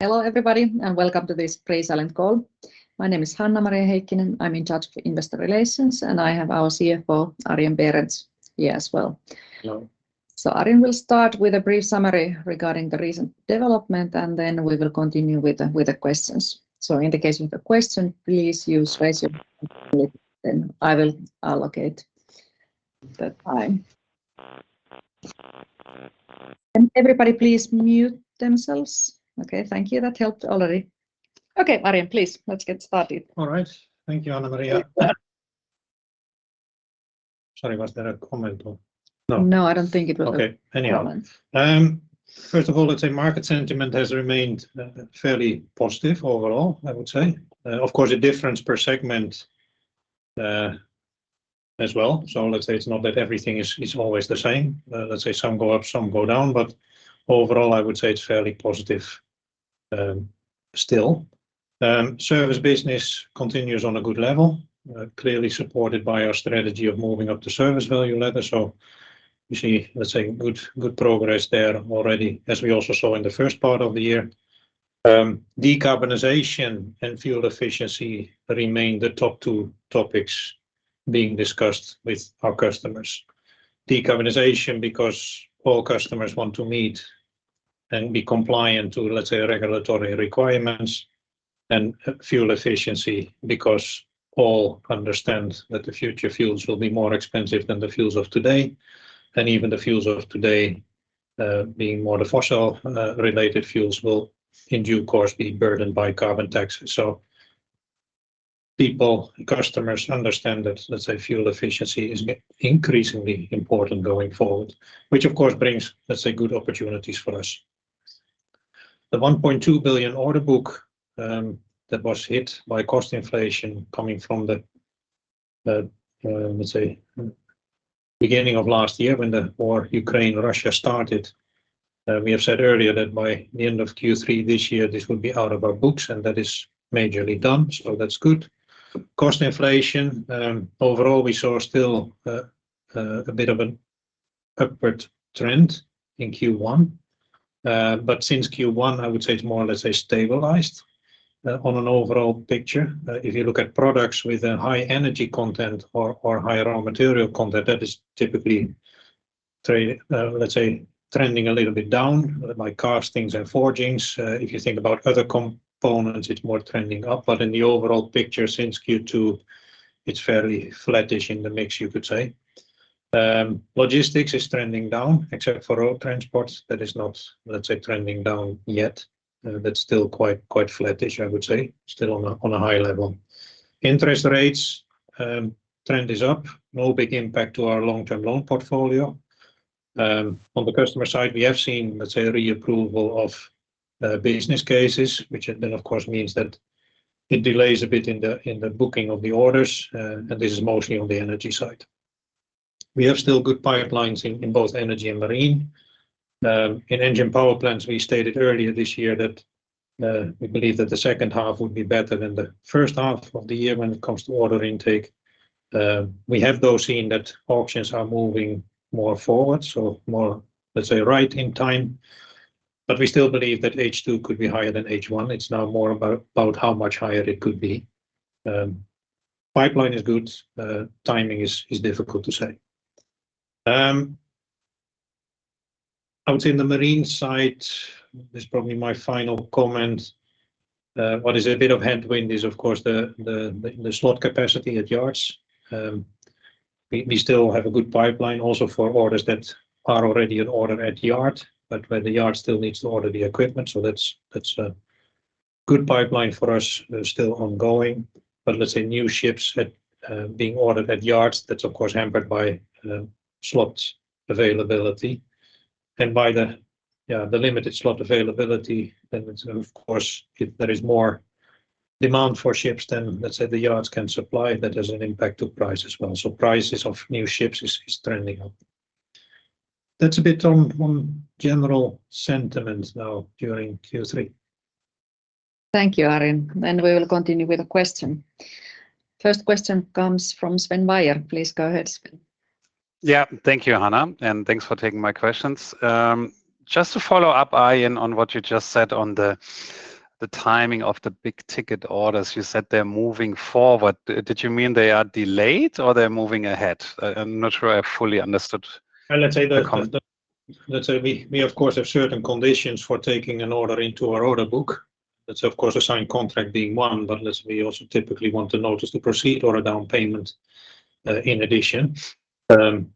Hello, everybody, and welcome to this pre-silent call. My name is Hanna-Maria Heikkinen. I'm in charge of investor relations, and I have our CFO, Arjen Berends, here as well. Hello. Arjen will start with a brief summary regarding the recent development, and then we will continue with the questions. In the case you have a question, please use raise your hand, then I will allocate the time. Everybody, please mute themselves. Okay, thank you. That helped already. Okay, Arjen, please, let's get started. All right. Thank you, Hanna-Maria. Sorry, was there a comment or no? No, I don't think it was a- Okay. -comment. Anyhow, first of all, let's say market sentiment has remained fairly positive overall, I would say. Of course, the difference per segment as well. Let's say it's not that everything is always the same. Let's say some go up, some go down, but overall, I would say it's fairly positive still. Service business continues on a good level, clearly supported by our strategy of moving up the service value ladder. We see good, good progress there already, as we also saw in the first part of the year. Decarbonization and fuel efficiency remain the top two topics being discussed with our customers. Decarbonization, because all customers want to meet and be compliant to regulatory requirements and fuel efficiency, because all understand that the future fuels will be more expensive than the fuels of today. Even the fuels of today, being more the fossil related fuels will, in due course, be burdened by carbon taxes. So people, customers understand that, let's say, fuel efficiency is increasingly important going forward, which, of course, brings, let's say, good opportunities for us. The 1.2 billion order book that was hit by cost inflation coming from the, the, let's say, beginning of last year when the war in Ukraine, Russia started. We have said earlier that by the end of Q3 this year, this would be out of our books, and that is majorly done, so that's good. Cost inflation, overall, we saw still a bit of an upward trend in Q1. But since Q1, I would say it's more, let's say, stabilized on an overall picture. If you look at products with a high energy content or high raw material content, that is typically very, let's say, trending a little bit down, like castings and forgings. If you think about other components, it's more trending up, but in the overall picture, since Q2, it's fairly flattish in the mix, you could say. Logistics is trending down, except for road transports. That is not, let's say, trending down yet. That's still quite flattish, I would say, still on a high level. Interest rates, trend is up. No big impact to our long-term loan portfolio. On the customer side, we have seen, let's say, reapproval of business cases, which then of course means that it delays a bit in the booking of the orders, and this is mostly on the energy side. We have still good pipelines in both energy and marine. In engine power plants, we stated earlier this year that we believe that the H2 would be better than the H1 of the year when it comes to order intake. We have, though, seen that auctions are moving more forward, so more, let's say, right in time, but we still believe that H2 could be higher than H1. It's now more about how much higher it could be. Pipeline is good, timing is difficult to say. I would say in the marine side, this is probably my final comment. What is a bit of headwind is, of course, the slot capacity at yards. We still have a good pipeline also for orders that are already in order at the yard, but where the yard still needs to order the equipment. So that's a good pipeline for us, still ongoing. But let's say new ships that being ordered at yards, that's of course hampered by slots availability. And by the, yeah, the limited slot availability, then of course, if there is more demand for ships, then let's say the yards can supply, that has an impact to price as well. So prices of new ships is trending up. That's a bit on general sentiments now during Q3. Thank you, Arjen, and we will continue with the question. First question comes from Sven Weier. Please go ahead, Sven. Yeah. Thank you, Hanna, and thanks for taking my questions. Just to follow up, Arjen, on what you just said on the, the timing of the big-ticket orders. You said they're moving forward. Did you mean they are delayed or they're moving ahead? I'm not sure I fully understood the comment. Let's say we of course have certain conditions for taking an order into our order book. That's of course a signed contract being one, but we also typically want a notice to proceed or a down payment in addition.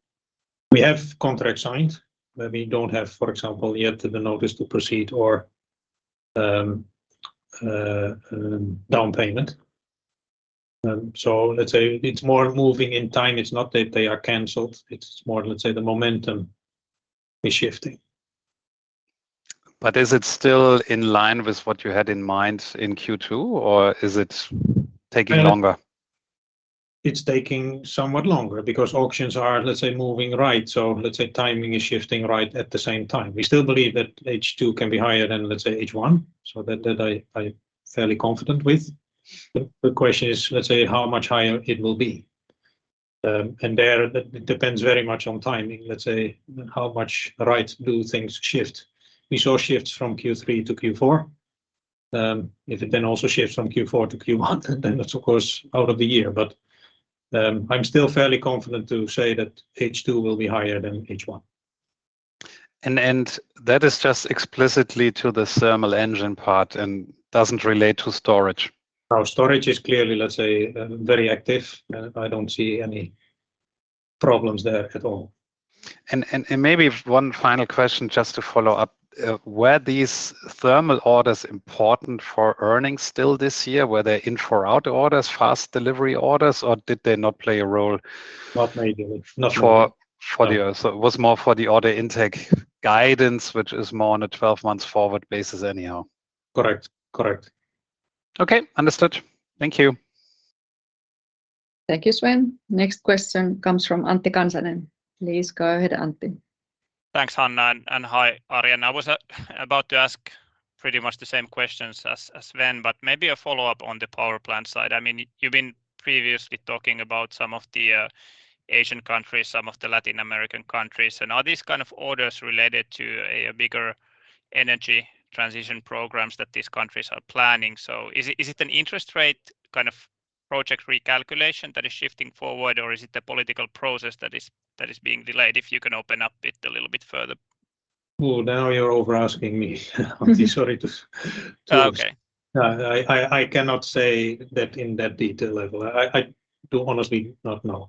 We have contract signed, but we don't have, for example, yet the notice to proceed or down payment. So let's say it's more moving in time. It's not that they are canceled, it's more, let's say, the momentum is shifting. But is it still in line with what you had in mind in Q2, or is it taking longer? It's taking somewhat longer because auctions are, let's say, moving, right? So let's say timing is shifting right at the same time. We still believe that H2 can be higher than, let's say, H1, so that I'm fairly confident with. The question is, let's say, how much higher it will be? And there that depends very much on timing. Let's say, how much right do things shift? We saw shifts from Q3 to Q4. If it then also shifts from Q4 to Q1, then that's of course out of the year. But I'm still fairly confident to say that H2 will be higher than H1. That is just explicitly to the thermal engine part and doesn't relate to storage? Our storage is clearly, let's say, very active, and I don't see any problems there at all. Maybe one final question, just to follow up. Were these thermal orders important for earnings still this year? Were they in for out orders, fast delivery orders, or did they not play a role? Not maybe. Not- So it was more for the order intake guidance, which is more on a 12-month forward basis anyhow. Correct. Correct. Okay, understood. Thank you. Thank you, Sven. Next question comes from Antti Kansanen. Please go ahead, Antti. Thanks, Hanna, and hi, Arjen. I was about to ask pretty much the same questions as Sven, but maybe a follow-up on the power plant side. I mean, you've been previously talking about some of the Asian countries, some of the Latin American countries, and are these kind of orders related to a bigger energy transition programs that these countries are planning? So is it an interest rate kind of project recalculation that is shifting forward, or is it a political process that is being delayed? If you can open up it a little bit further. Well, now you're over asking me. I'm sorry to... Okay. I cannot say that in that detail level. I do honestly not know.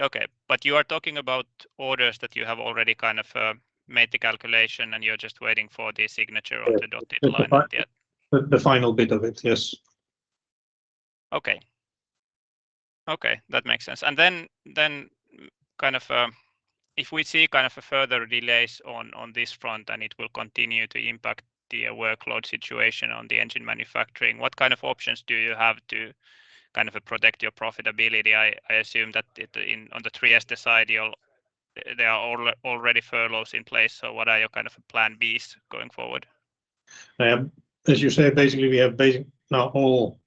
Okay. But you are talking about orders that you have already kind of made the calculation, and you're just waiting for the signature on the dotted line yet? The final bit of it, yes. Okay. Okay, that makes sense. And then kind of, if we see kind of a further delays on this front, and it will continue to impact the workload situation on the engine manufacturing, what kind of options do you have to kind of protect your profitability? I assume that, on the Trieste side, there are already furloughs in place, so what are your kind of plan B's going forward? As you say, basically, we have not all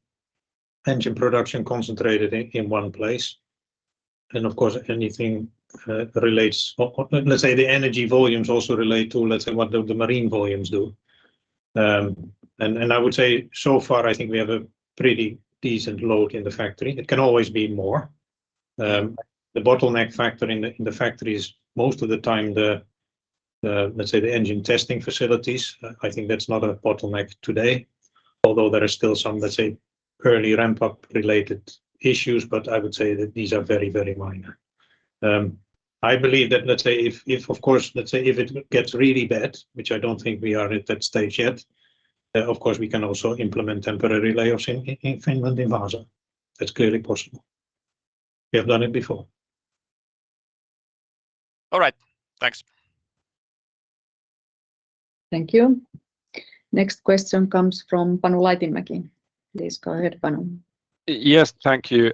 engine production concentrated in one place. And of course, anything relates. Let's say the energy volumes also relate to, let's say, what the marine volumes do. And I would say so far, I think we have a pretty decent load in the factory. It can always be more. The bottleneck factor in the factories, most of the time, the, let's say, the engine testing facilities, I think that's not a bottleneck today, although there are still some, let's say, early ramp-up related issues, but I would say that these are very, very minor. I believe that, let's say if, of course, let's say if it gets really bad, which I don't think we are at that stage yet, then, of course, we can also implement temporary layoffs in Finland, in Vaasa. That's clearly possible. We have done it before. All right. Thanks. Thank you. Next question comes from Panu Laitinmäki. Please go ahead, Panu. Yes, thank you.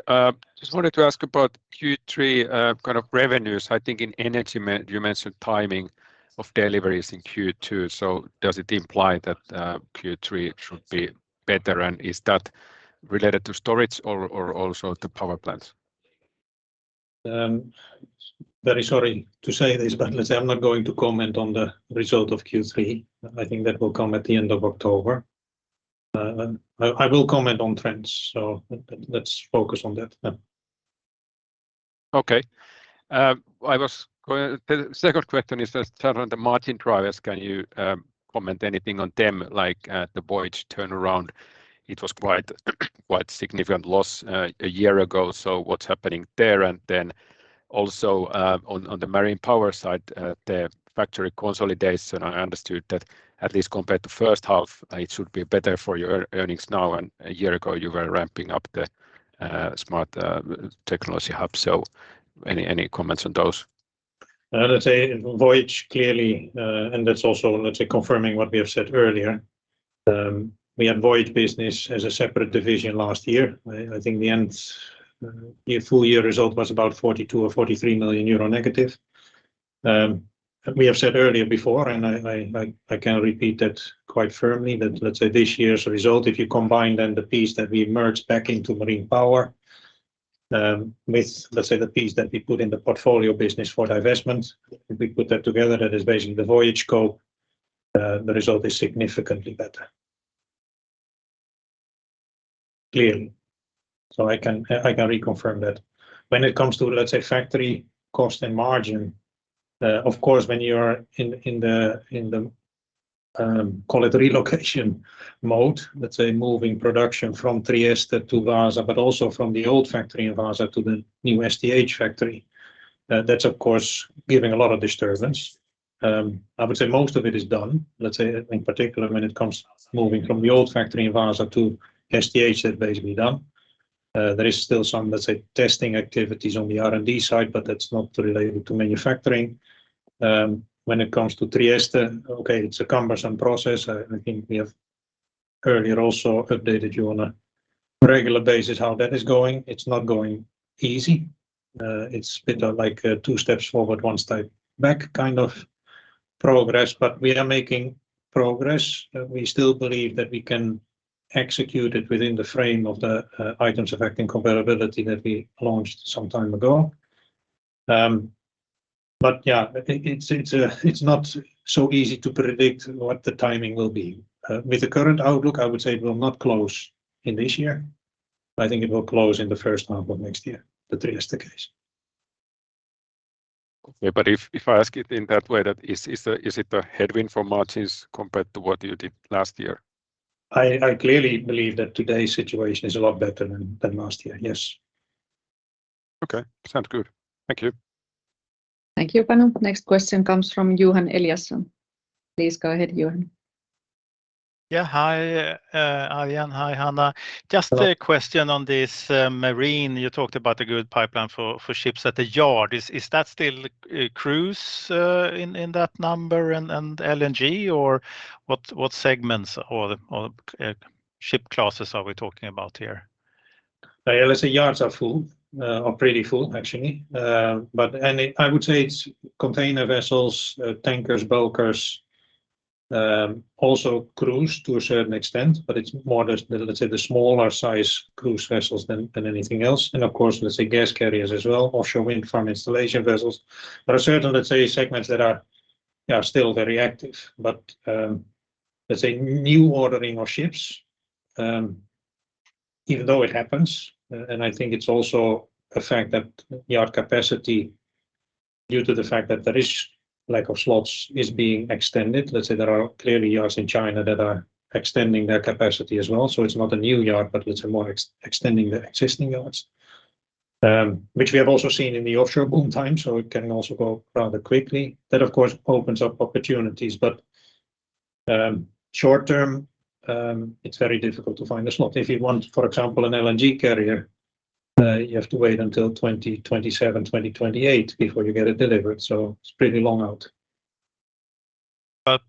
Just wanted to ask about Q3, kind of revenues. I think in energy, you mentioned timing of deliveries in Q2, so does it imply that Q3 should be better, and is that related to storage or, or also the power plants? Very sorry to say this, but let's say I'm not going to comment on the result of Q3. I think that will come at the end of October. But I will comment on trends, so let's focus on that now. Okay. I was go-- The second question is just on the margin drivers. Can you comment anything on them, like, the Voyage turnaround? It was quite, quite significant loss a year ago, so what's happening there? Also, on Marine Power side, the factory consolidation, I understood that at least compared to H1, it should be better for your earnings now, and a year ago, you were ramping up the smart technology hub. Any comments on those? Let's say Voyage, clearly, and that's also, let's say, confirming what we have said earlier. We had Voyage business as a separate division last year. I think the end, full year result was about 42 million or 43 million euro negative. We have said earlier before, and I can repeat that quite firmly, that let's say this year's result, if you combine then the piece that we merged back Marine Power, with, let's say, the piece that we put in the Portfolio Business for divestment, if we put that together, that is basically the Voyage scope, the result is significantly better. Clearly. So I can reconfirm that. When it comes to, let's say, factory cost and margin, of course, when you are in, in the, in the, call it relocation mode, let's say, moving production from Trieste to Vaasa, but also from the old factory in Vaasa to the new STH factory, that's, of course, giving a lot of disturbance. I would say most of it is done. Let's say, in particular, when it comes to moving from the old factory in Vaasa to STH, that's basically done. There is still some, let's say, testing activities on the R&D side, but that's not related to manufacturing. When it comes to Trieste, okay, it's a cumbersome process. I think we have earlier also updated you on a regular basis, how that is going. It's not going easy. It's been like, two steps forward, one step back kind of progress, but we are making progress. We still believe that it can be executed within the frame of the Items Affecting Comparability that we launched some time ago. But yeah, I think it's not so easy to predict what the timing will be. With the current outlook, I would say it will not close in this year, but I think it will close in the H1 of next year. That is the case. Okay, but if I ask it in that way, that is, is it a headwind for margins compared to what you did last year? I clearly believe that today's situation is a lot better than last year. Yes. Okay. Sounds good. Thank you. Thank you, Panu. Next question comes from Johan Eliason. Please go ahead, Johan. Yeah, hi, Arjen. Hi, Hanna. Just a question on this marine. You talked about a good pipeline for ships at the yard. Is that still cruise in that number and LNG or what segments or ship classes are we talking about here? The LSA yards are full, or pretty full, actually. But... And I would say it's container vessels, tankers, bulkers, also cruise to a certain extent, but it's more, let's say, the smaller size cruise vessels than anything else, and of course, let's say gas carriers as well, offshore wind farm installation vessels. There are certain, let's say, segments that are still very active. But, let's say new ordering of ships, even though it happens, and I think it's also a fact that yard capacity, due to the fact that there is lack of slots, is being extended. Let's say there are clearly yards in China that are extending their capacity as well. So it's not a new yard, but it's a more extending the existing yards, which we have also seen in the offshore boom time, so it can also go rather quickly. That, of course, opens up opportunities, but, short term, it's very difficult to find a slot. If you want, for example, an LNG carrier, you have to wait until 2027, 2028 before you get it delivered, so it's pretty long out.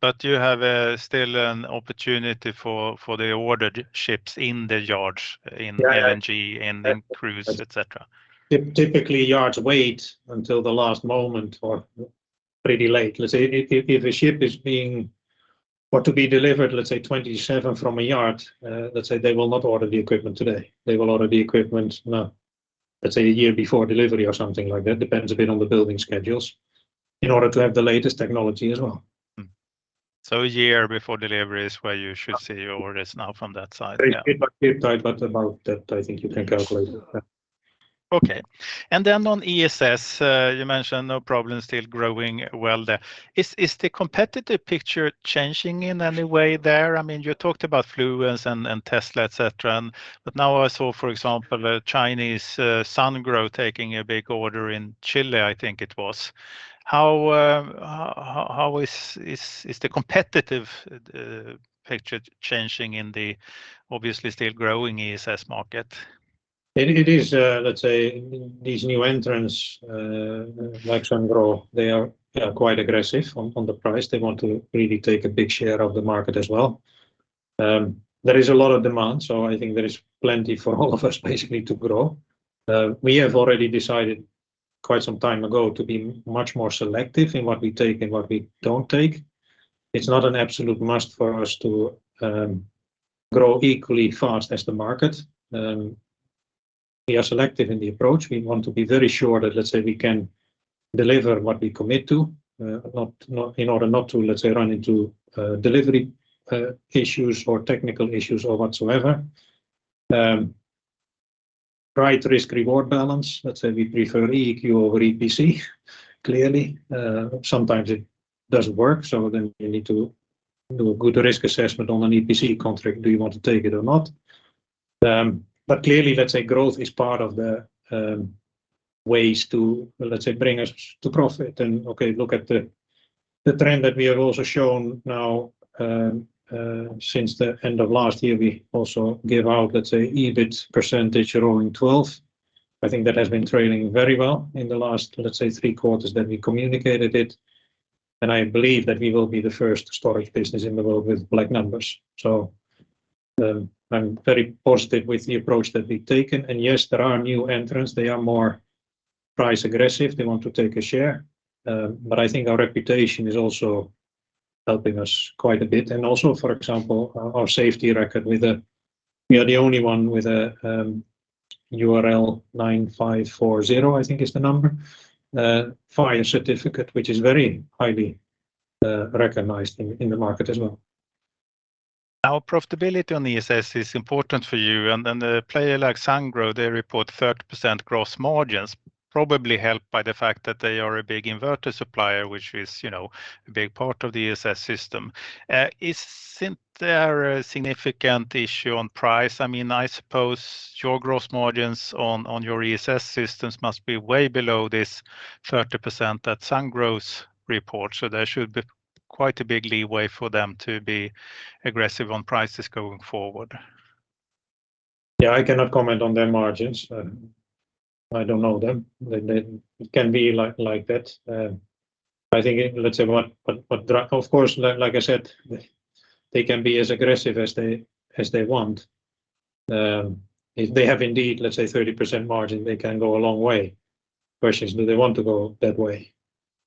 But you have still an opportunity for the ordered ships in the yards, in- Yeah... LNG, in the cruise, et cetera. Typically, yards wait until the last moment or pretty late. Let's say, if a ship is being or to be delivered, let's say, 2027 from a yard, let's say they will not order the equipment today. They will order the equipment, let's say, a year before delivery or something like that. Depends a bit on the building schedules, in order to have the latest technology as well. Mm-hmm. So a year before delivery is where you should see your orders now from that side? Yeah. About that, I think you can calculate. Okay. And then on ESS, you mentioned no problem, still growing well there. Is the competitive picture changing in any way there? I mean, you talked about Fluence and Tesla, et cetera, and but now I saw, for example, Chinese Sungrow taking a big order in Chile, I think it was. How is the competitive picture changing in the obviously still growing ESS market? It is, let's say, these new entrants, like Sungrow, they are, they are quite aggressive on the price. They want to really take a big share of the market as well. There is a lot of demand, so I think there is plenty for all of us basically to grow. We have already decided quite some time ago to be much more selective in what we take and what we don't take. It's not an absolute must for us to grow equally fast as the market. We are selective in the approach. We want to be very sure that, let's say, we can deliver what we commit to, not, not, in order not to, let's say, run into delivery, issues or technical issues or whatsoever. Right risk/reward balance. Let's say we prefer EQ over EPC, clearly. Sometimes it doesn't work, so then we need to do a good risk assessment on an EPC contract. Do you want to take it or not? But clearly, let's say, growth is part of the ways to, let's say, bring us to profit and, okay, look at the trend that we have also shown now. Since the end of last year, we also gave out, let's say, EBIT percentage growing 12%. I think that has been trailing very well in the last, let's say, three quarters that we communicated it, and I believe that we will be the first storage business in the world with black numbers. So, I'm very positive with the approach that we've taken. And yes, there are new entrants. They are more price-aggressive. They want to take a share, but I think our reputation is also helping us quite a bit. And also, for example, our safety record. We are the only one with a URL 9540, I think is the number, fire certificate, which is very highly recognized in the market as well. Now, profitability on ESS is important for you, and then a player like Sungrow, they report 30% gross margins, probably helped by the fact that they are a big inverter supplier, which is, you know, a big part of the ESS system. Isn't there a significant issue on price? I mean, I suppose your gross margins on your ESS systems must be way below this 30% that Sungrow's report, so there should be quite a big leeway for them to be aggressive on prices going forward. Yeah, I cannot comment on their margins. I don't know them. They can be like, like that. I think, but of course, like, like I said, they can be as aggressive as they want. If they have indeed, let's say, 30% margin, they can go a long way. Question is, do they want to go that way?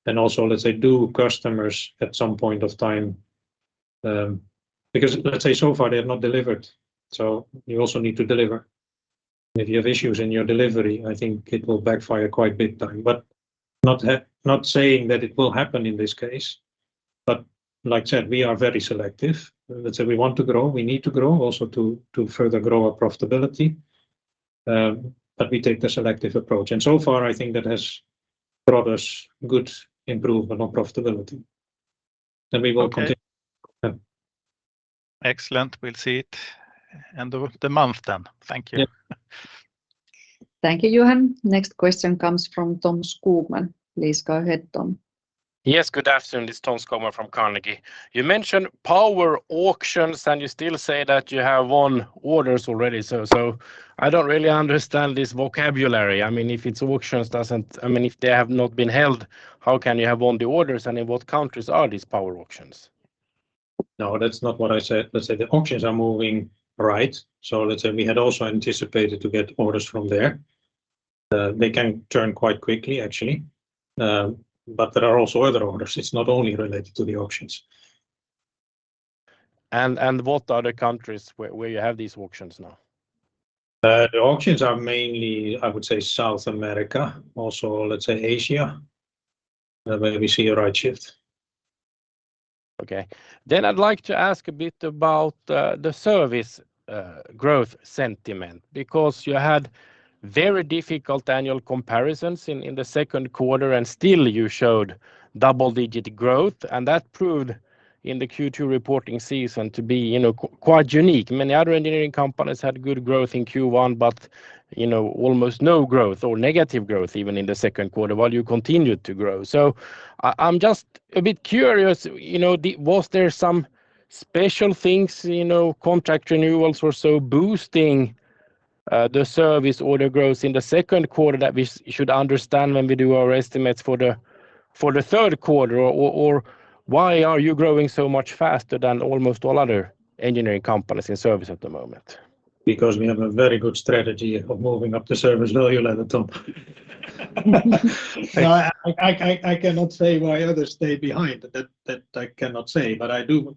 And also, let's say, do customers at some point of time? Because let's say so far they have not delivered, so you also need to deliver. If you have issues in your delivery, I think it will backfire quite big time, but not saying that it will happen in this case, but like I said, we are very selective. Let's say we want to grow. We need to grow also to further grow our profitability, but we take the selective approach. So far, I think that has brought us good improvement on profitability. We will continue. Okay. Yeah. Excellent. We'll see it end of the month then. Thank you. Yep. Thank you, Johan. Next question comes from Tom Skogman. Please go ahead, Tom. Yes, good afternoon. This is Tom Skogman from Carnegie. You mentioned power auctions, and you still say that you have won orders already. So, so I don't really understand this vocabulary. I mean, if it's auctions doesn't... I mean, if they have not been held, how can you have won the orders, and in what countries are these power auctions? No, that's not what I said. Let's say the auctions are moving, right? So let's say we had also anticipated to get orders from there. They can turn quite quickly, actually. But there are also other orders. It's not only related to the auctions. What are the countries where you have these auctions now? The auctions are mainly, I would say, South America. Also, let's say Asia, where we see a right shift. Okay. I'd like to ask a bit about the service growth sentiment, because you had very difficult annual comparisons in the Q2, and still you showed double-digit growth, and that proved in the Q2 reporting season to be, you know, quite unique. Many other engineering companies had good growth in Q1, but, you know, almost no growth or negative growth even in the Q2, while you continued to grow. I, I'm just a bit curious, you know, was there some special things, you know, contract renewals were so boosting the service order growth in the Q2 that we should understand when we do our estimates for the Q3? Or, or, why are you growing so much faster than almost all other engineering companies in service at the moment? Because we have a very good strategy of moving up the service value ladder, Tom. No, I cannot say why others stay behind. That I cannot say, but I do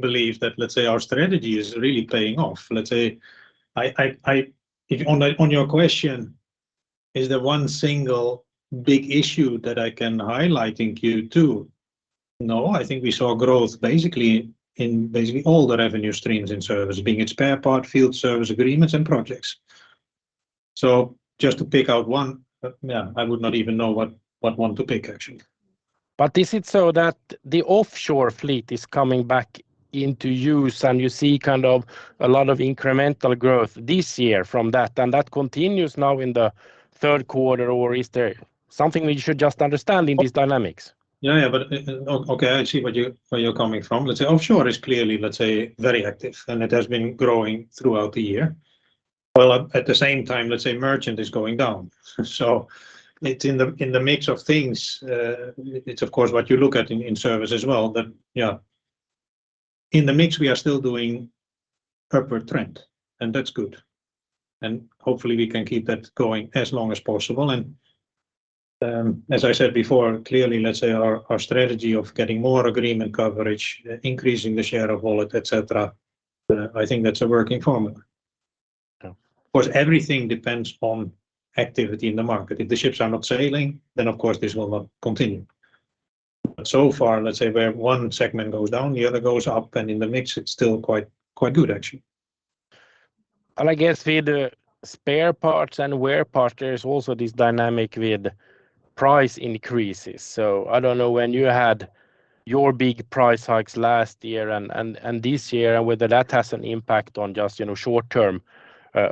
believe that, let's say, our strategy is really paying off. Let's say, if on your question, is there one single big issue that I can highlight in Q2? No, I think we saw growth basically in all the revenue streams in service, being it spare part, field service, agreements, and projects. So just to pick out one, yeah, I would not even know what one to pick, actually. Is it so that the offshore fleet is coming back into use, and you see kind of a lot of incremental growth this year from that, and that continues now in the Q3, or is there something we should just understand in these dynamics? Yeah, yeah, but okay, I see where you, where you're coming from. Let's say offshore is clearly, let's say, very active, and it has been growing throughout the year. Well, at the same time, let's say merchant is going down. So it's in the mix of things, it's of course what you look at in service as well. But yeah, in the mix we are still doing upward trend, and that's good, and hopefully we can keep that going as long as possible. And as I said before, clearly, let's say our strategy of getting more agreement coverage, increasing the share of wallet, et cetera, I think that's a working formula. Yeah. Of course, everything depends on activity in the market. If the ships are not sailing, then of course, this will not continue. So far, let's say where one segment goes down, the other goes up, and in the mix it's still quite, quite good actually. I guess with the spare parts and wear parts, there is also this dynamic with price increases. So I don't know when you had your big price hikes last year and this year, and whether that has an impact on just, you know, short-term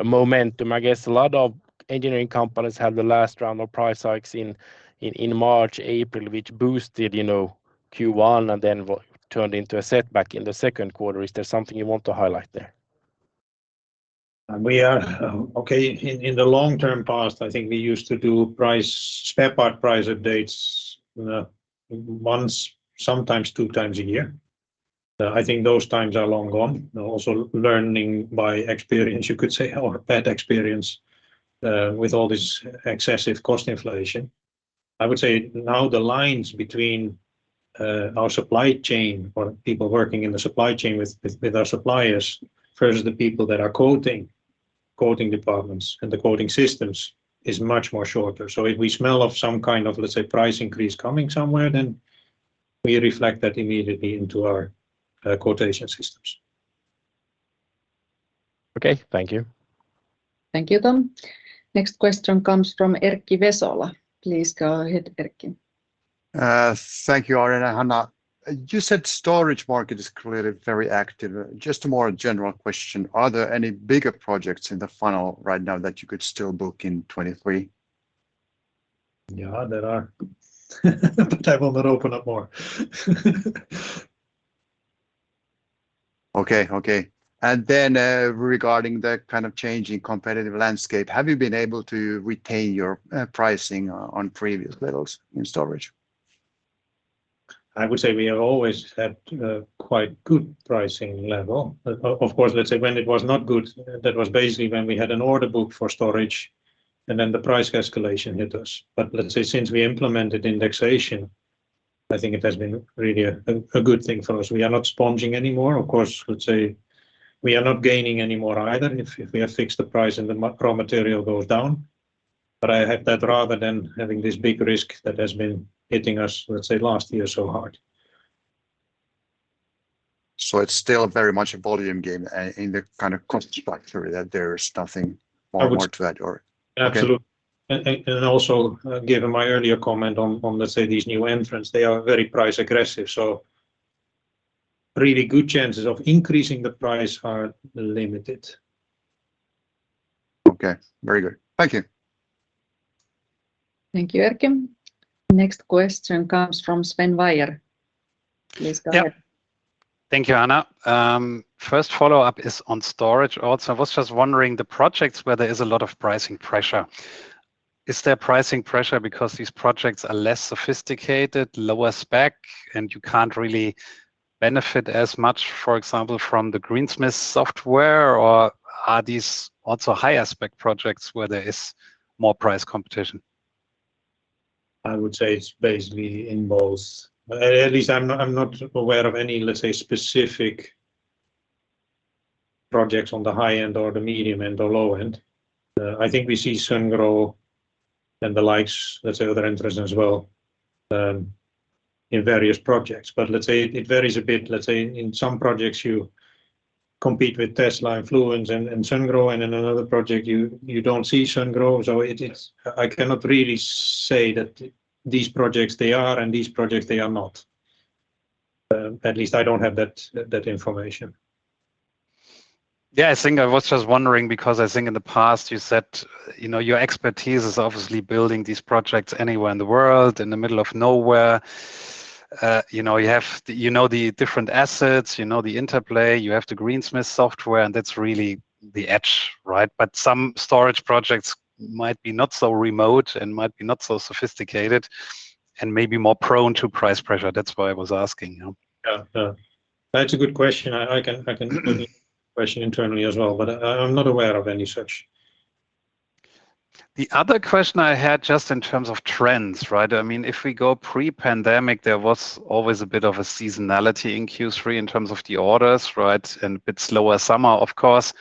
momentum. I guess a lot of engineering companies had the last round of price hikes in March, April, which boosted, you know, Q1, and then turned into a setback in the Q2. Is there something you want to highlight there? We are okay, in the long-term past, I think we used to do price, spare part price updates, once, sometimes 2x a year. I think those times are long gone. Also, learning by experience, you could say, or bad experience, with all this excessive cost inflation. I would say now the lines between our supply chain or people working in the supply chain with our suppliers, versus the people that are quoting departments and the quoting systems, is much more shorter. So if we smell of some kind of, let's say, price increase coming somewhere, then we reflect that immediately into our quotation systems. Okay. Thank you. Thank you, Tom. Next question comes from Erkki Vesola. Please go ahead, Erkki. Thank you, Arjen and Hanna. You said storage market is clearly very active. Just a more general question, are there any bigger projects in the funnel right now that you could still book in 2023? Yeah, there are. But I will not open up more. Okay, okay. Regarding the kind of change in competitive landscape, have you been able to retain your pricing on previous levels in storage?... I would say we have always had quite good pricing level. But of course, let's say when it was not good, that was basically when we had an order book for storage and then the price escalation hit us. But let's say since we implemented indexation, I think it has been really a good thing for us. We are not sponging anymore. Of course, let's say we are not gaining anymore either if we have fixed the price and the raw material goes down, but I have that rather than having this big risk that has been hitting us, let's say, last year so hard. So it's still very much a volume game in the kind of cost structure, that there's nothing more to add or- Absolutely. Okay. Also, given my earlier comment on, let's say these new entrants, they are very price aggressive, so really good chances of increasing the price are limited. Okay, very good. Thank you. Thank you, Erkki. Next question comes from Sven Weyer. Please go ahead. Yeah. Thank you, Anna. First follow-up is on storage. Also, I was just wondering, the projects where there is a lot of pricing pressure, is there pricing pressure because these projects are less sophisticated, lower spec, and you can't really benefit as much, for example, from the Greensmith software? Or are these also higher spec projects where there is more price competition? I would say it's basically in both. At least I'm not aware of any, let's say, specific projects on the high end or the medium and the low end. I think we see Sungrow and the likes, let's say, other entrants as well, in various projects. But let's say it varies a bit. Let's say in some projects you compete with Tesla and Fluence and Sungrow, and in another project, you don't see Sungrow. So it is... I cannot really say that these projects they are and these projects they are not. At least I don't have that information. Yeah, I think I was just wondering, because I think in the past you said, you know, your expertise is obviously building these projects anywhere in the world, in the middle of nowhere. You know, you have, you know the different assets, you know the interplay, you have the Greensmith software, and that's really the edge, right? But some storage projects might be not so remote and might be not so sophisticated and maybe more prone to price pressure. That's why I was asking, you know? Yeah. Yeah, that's a good question. I can question internally as well, but I'm not aware of any such. The other question I had, just in terms of trends, right? I mean, if we go pre-pandemic, there was always a bit of a seasonality in Q3 in terms of the orders, right? And a bit slower summer, of course.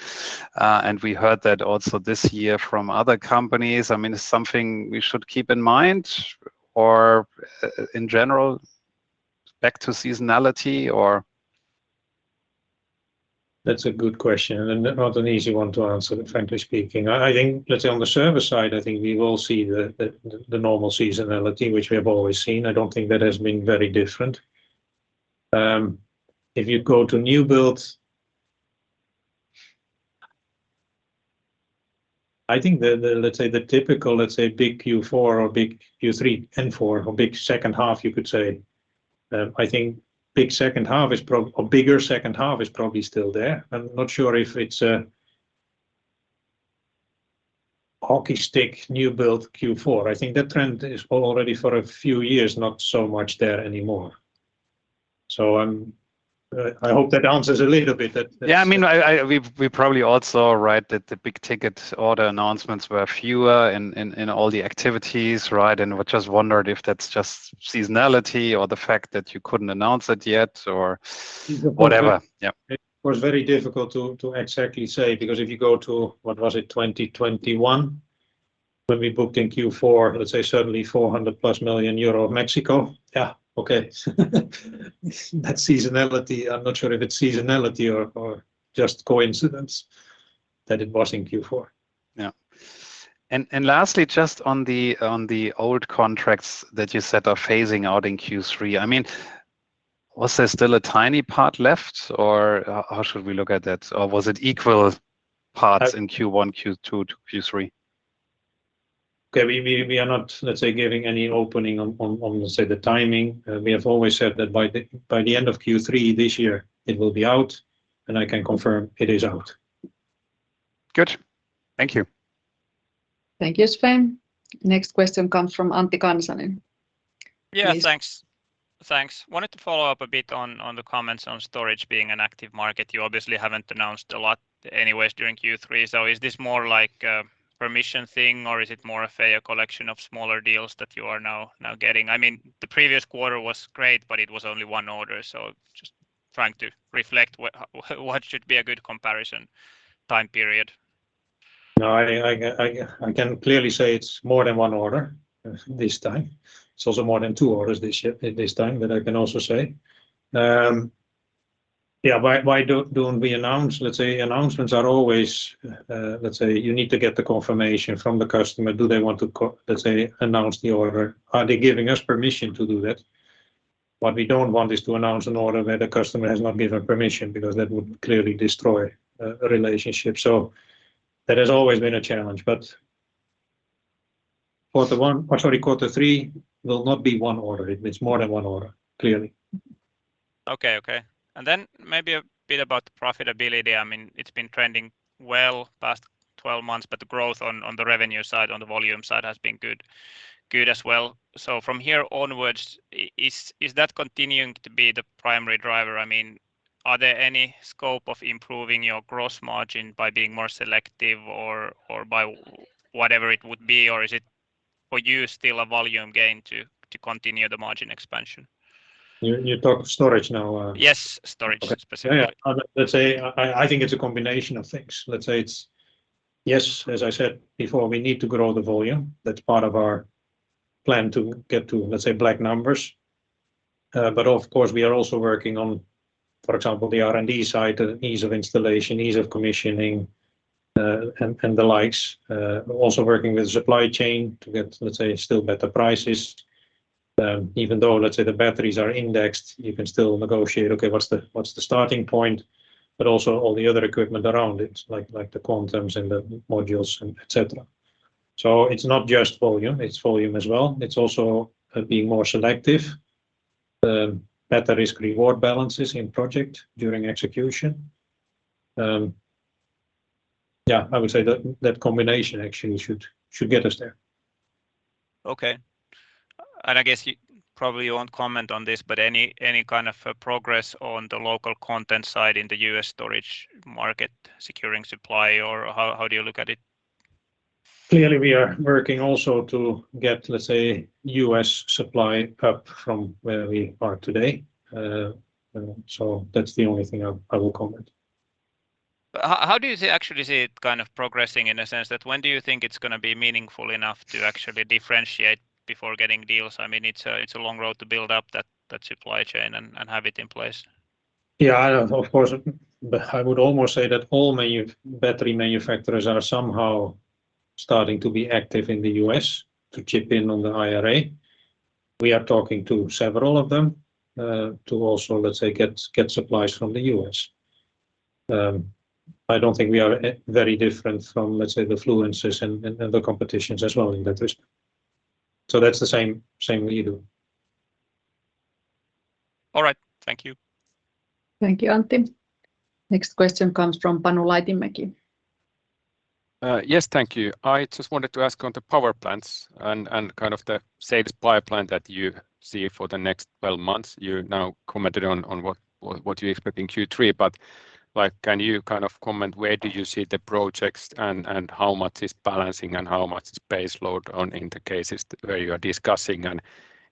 And we heard that also this year from other companies. I mean, it's something we should keep in mind, or in general, back to seasonality, or? That's a good question, and not an easy one to answer, frankly speaking. I think, let's say on the service side, I think we will see the normal seasonality, which we have always seen. I don't think that has been very different. If you go to new builds, I think the, let's say, the typical, let's say big Q4 or big Q3 and four, or big H2, you could say, I think a bigger H2 is probably still there. I'm not sure if it's a hockey stick, new build Q4. I think that trend is already for a few years, not so much there anymore. So, I hope that answers a little bit that, that- Yeah, I mean, we've probably also read that the big-ticket order announcements were fewer in all the activities, right? And I just wondered if that's just seasonality or the fact that you couldn't announce it yet or whatever. Yeah. Yeah. It was very difficult to exactly say, because if you go to, what was it, 2021, when we booked in Q4, let's say certainly 400+ million euro Mexico. Yeah, okay. That seasonality, I'm not sure if it's seasonality or just coincidence that it was in Q4. Yeah. And, and lastly, just on the, on the old contracts that you said are phasing out in Q3, I mean, was there still a tiny part left, or how should we look at that? Or was it equal parts- Uh-... in Q1, Q2 to Q3? Okay, we are not, let's say, giving any opening on, let's say, the timing. We have always said that by the end of Q3 this year, it will be out, and I can confirm it is out. Good. Thank you. Thank you, Sven. Next question comes from Antti Kansanen. Please. Yeah, thanks. Thanks. Wanted to follow up a bit on the comments on storage being an active market. You obviously haven't announced a lot anyways during Q3, so is this more like a permission thing, or is it more a fair collection of smaller deals that you are now getting? I mean, the previous quarter was great, but it was only one order, so just trying to reflect what should be a good comparison time period. No, I can clearly say it's more than one order this time. It's also more than two orders this year, this time, but I can also say. Why don't we announce? Let's say announcements are always, let's say you need to get the confirmation from the customer. Do they want to announce the order? Are they giving us permission to do that? What we don't want is to announce an order where the customer has not given permission, because that would clearly destroy a relationship. So that has always been a challenge, but quarter one, or sorry, quarter three will not be one order. It's more than one order, clearly.... Okay, okay. Then maybe a bit about the profitability. I mean, it's been trending well past 12 months, but the growth on the revenue side, on the volume side, has been good as well. So from here onwards, is that continuing to be the primary driver? I mean, are there any scope of improving your gross margin by being more selective or by whatever it would be? Or is it for you still a volume game to continue the margin expansion? You talk storage now? Yes, storage specifically. Okay. Yeah, let's say I think it's a combination of things. Let's say it's. Yes, as I said before, we need to grow the volume. That's part of our plan to get to, let's say, black numbers. But of course, we are also working on, for example, the R&D side, the ease of installation, ease of commissioning, and the likes. Also working with supply chain to get, let's say, still better prices. Even though, let's say, the batteries are indexed, you can still negotiate, okay, what's the, what's the starting point? But also all the other equipment around it, like the Quantums and the modules, and et cetera. So it's not just volume, it's volume as well. It's also being more selective, better risk reward balances in project during execution. Yeah, I would say that that combination actually should get us there. Okay. And I guess you probably won't comment on this, but any kind of progress on the local content side in the U.S. storage market, securing supply, or how do you look at it? Clearly, we are working also to get, let's say, US supply up from where we are today. So that's the only thing I, I will comment. How do you see—actually see it kind of progressing in a sense that when do you think it's gonna be meaningful enough to actually differentiate before getting deals? I mean, it's a, it's a long road to build up that, that supply chain and, and have it in place. Yeah, of course, but I would almost say that all battery manufacturers are somehow starting to be active in the US to chip in on the IRA. We are talking to several of them to also, let's say, get supplies from the US. I don't think we are very different from, let's say, the Fluences and the competitors as well in that respect. So that's the same we do. All right. Thank you. Thank you, Antti. Next question comes from Panu Laitinmäki. Yes, thank you. I just wanted to ask on the power plants and kind of the sales pipeline that you see for the next 12 months. You now commented on what you expect in Q3, but like, can you kind of comment where do you see the projects and how much is balancing, and how much is base load on in the cases where you are discussing, and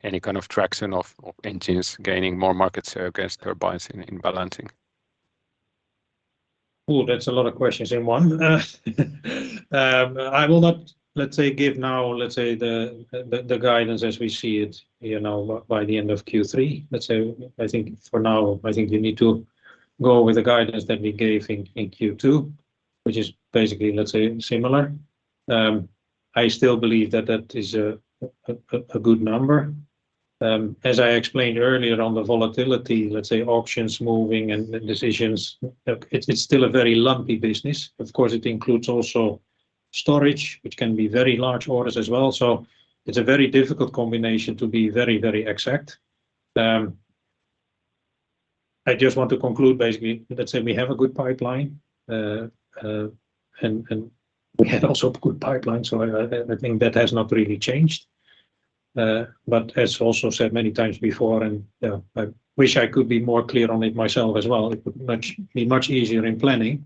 any kind of traction of engines gaining more market share against turbines in balancing? Oh, that's a lot of questions in one. I will not, let's say, give now, let's say, the guidance as we see it, you know, by the end of Q3. Let's say, I think for now, I think we need to go with the guidance that we gave in Q2, which is basically, let's say, similar. I still believe that that is a good number. As I explained earlier on the volatility, let's say, options moving and decisions, it's still a very lumpy business. Of course, it includes also storage, which can be very large orders as well. So it's a very difficult combination to be very, very exact. I just want to conclude, basically, let's say we have a good pipeline, and we had also a good pipeline, so I think that has not really changed. But as also said many times before, and I wish I could be more clear on it myself as well, it would much... be much easier in planning.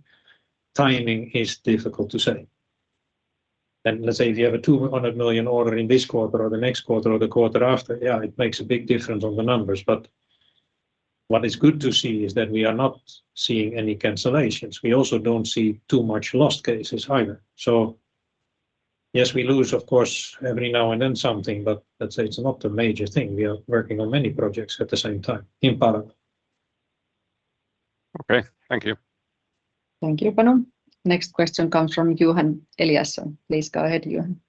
Timing is difficult to say. And let's say if you have a 200 million order in this quarter, or the next quarter, or the quarter after, yeah, it makes a big difference on the numbers. But what is good to see is that we are not seeing any cancellations. We also don't see too much lost cases either. So yes, we lose, of course, every now and then, something, but let's say it's not a major thing. We are working on many projects at the same time, in parallel. Okay. Thank you. Thank you, Panu. Next question comes from Johan Eliason. Please go ahead, Johan.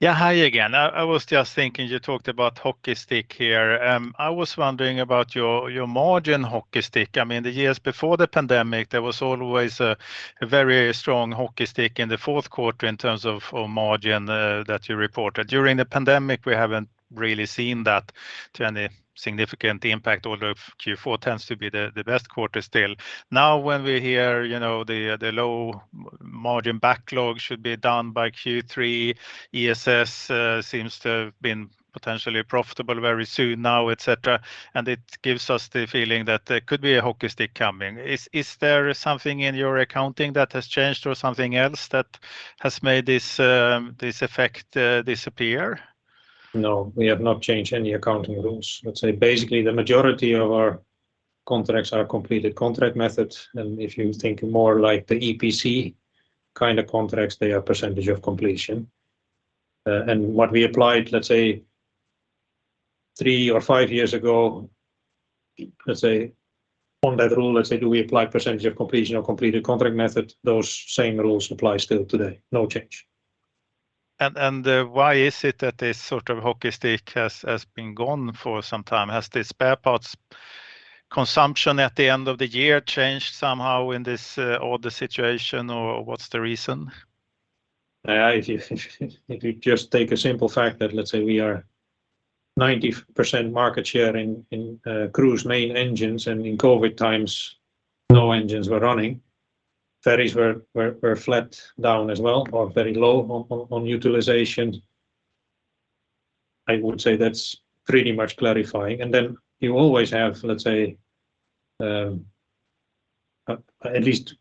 Yeah, hi again. I was just thinking, you talked about hockey stick here. I was wondering about your margin hockey stick. I mean, the years before the pandemic, there was always a very strong hockey stick in the Q4 in terms of margin that you reported. During the pandemic, we haven't really seen that to any significant impact, although Q4 tends to be the best quarter still. Now, when we hear, you know, the low margin backlog should be done by Q3, ESS seems to have been potentially profitable very soon now, et cetera, and it gives us the feeling that there could be a hockey stick coming. Is there something in your accounting that has changed, or something else that has made this effect disappear? No, we have not changed any accounting rules. Let's say, basically, the majority of our contracts are completed contract methods, and if you think more like the EPC kind of contracts, they are percentage of completion. And what we applied, let's say, three or five years ago, let's say, on that rule, let's say, do we apply percentage of completion or completed contract method? Those same rules apply still today. No change. Why is it that this sort of hockey stick has been gone for some time? Has the spare parts consumption at the end of the year changed somehow in this odd situation, or what's the reason?... if you just take a simple fact that let's say we are 90% market share in cruise main engines, and in COVID times, no engines were running, ferries were flat down as well, or very low on utilization. I would say that's pretty much clarifying. And then you always have, let's say, at least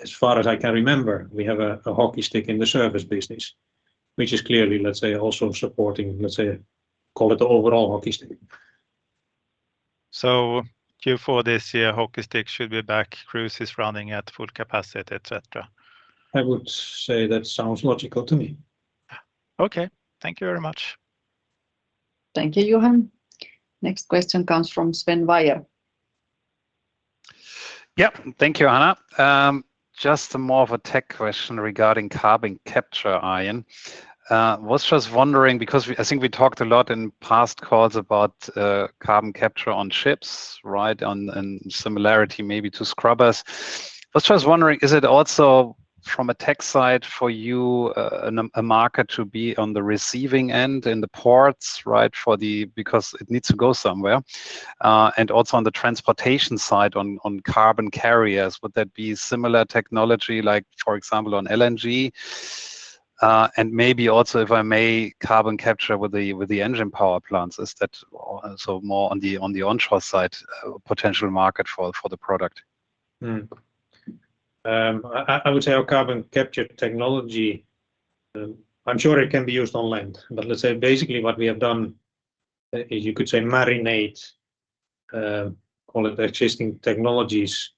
as far as I can remember, we have a hockey stick in the service business, which is clearly, let's say, also supporting, let's say, call it the overall hockey stick. Q4 this year, hockey stick should be back, cruise is running at full capacity, et cetera? I would say that sounds logical to me. Okay. Thank you very much. Thank you, Johan. Next question comes from Sven Weier. Yep. Thank you, Anna. Just more of a tech question regarding carbon capture, Arjen. Was just wondering, because I think we talked a lot in past calls about carbon capture on ships, right? And similarity maybe to scrubbers. I was just wondering, is it also from a tech side for you a market to be on the receiving end in the ports, right? For the... Because it needs to go somewhere. And also on the transportation side, on carbon carriers, would that be similar technology, like for example, on LNG? And maybe also, if I may, carbon capture with the engine power plants, is that also more on the onshore side, potential market for the product? I would say our carbon capture technology. I'm sure it can be used on land, but let's say basically what we have done is, you could say, marinate, call it the existing technologies,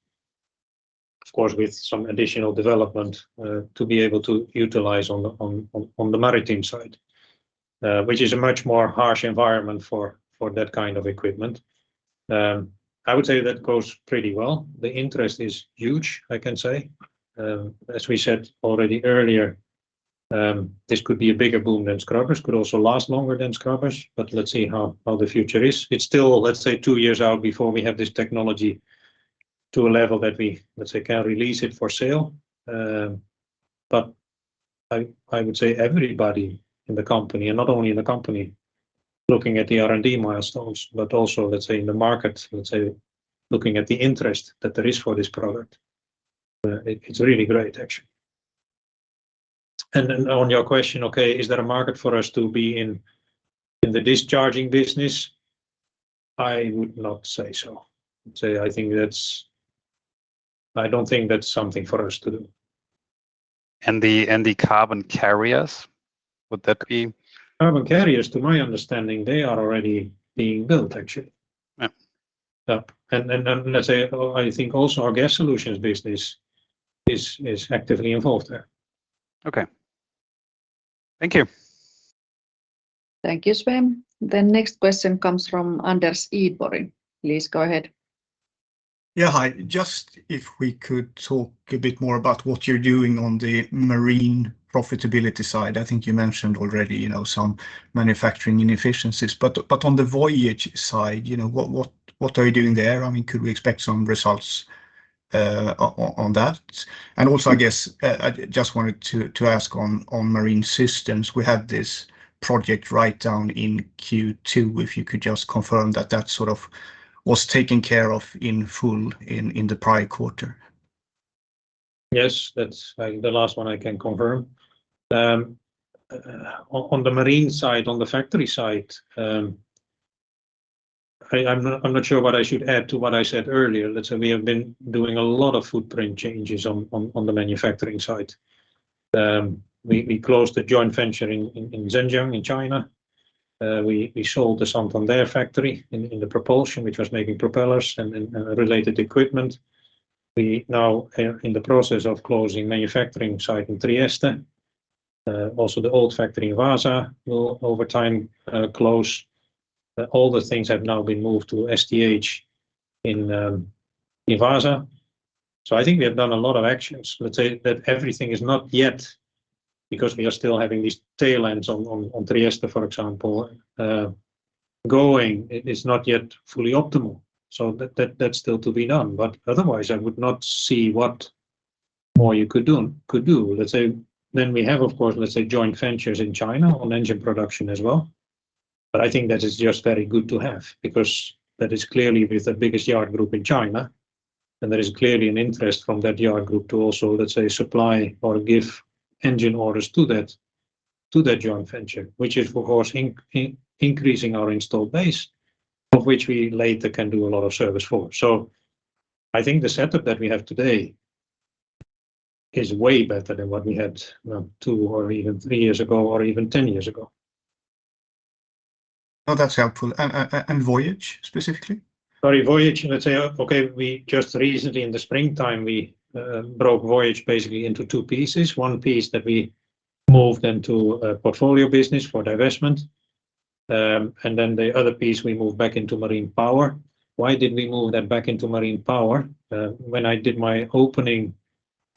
of course, with some additional development, to be able to utilize on the maritime side, which is a much more harsh environment for that kind of equipment. I would say that goes pretty well. The interest is huge, I can say. As we said already earlier, this could be a bigger boom than scrubbers, could also last longer than scrubbers, but let's see how the future is. It's still, let's say, two years out before we have this technology to a level that we, let's say, can release it for sale. But I would say everybody in the company, and not only in the company, looking at the R&D milestones, but also, let's say, in the market, let's say, looking at the interest that there is for this product, it's really great, actually. And then on your question, okay, is there a market for us to be in the discharging business? I would not say so. I'd say I think that's... I don't think that's something for us to do. The carbon carriers, would that be? Carbon carriers, to my understanding, they are already being built, actually. Yeah. Yeah. And let's say, I think also our Gas Solutions business is actively involved there. Okay. Thank you. Thank you, Sven. The next question comes from Anders Idborg. Please go ahead. Yeah, hi. Just if we could talk a bit more about what you're doing on the marine profitability side. I think you mentioned already, you know, some manufacturing inefficiencies, but on the Voyage side, you know, what are you doing there? I mean, could we expect some results on that? Also, I guess I just wanted to ask on Marine Systems, we had this project write-down in Q2, if you could just confirm that that sort of was taken care of in full in the prior quarter. Yes, that's the last one I can confirm. On the marine side, on the factory side, I'm not sure what I should add to what I said earlier. Let's say we have been doing a lot of footprint changes on the manufacturing side. We closed the joint venture in Zhenjiang, in China. We sold the Santander factory in the propulsion, which was making propellers and related equipment. We now are in the process of closing manufacturing site in Trieste. Also the old factory in Vaasa will over time close. All the things have now been moved to STH in Vaasa. So I think we have done a lot of actions, let's say, that everything is not yet, because we are still having these tail ends on Trieste, for example, it is not yet fully optimal, so that, that's still to be done. But otherwise, I would not see what more you could do, could do. Let's say, then we have, of course, let's say, joint ventures in China on engine production as well, but I think that is just very good to have, because that is clearly with the biggest yard group in China, and there is clearly an interest from that yard group to also, let's say, supply or give engine orders to that, to that joint venture, which is, of course, increasing our installed base, of which we later can do a lot of service for. I think the setup that we have today is way better than what we had, well, two or even three years ago, or even 10 years ago. Oh, that's helpful. And Voyage, specifically? Sorry, Voyage, let's say, okay, we just recently in the springtime, we broke Voyage basically into two pieces. One piece that we moved into a Portfolio Business for divestment, and then the other piece we moved back Marine Power. why did we move that back Marine Power? when I did my opening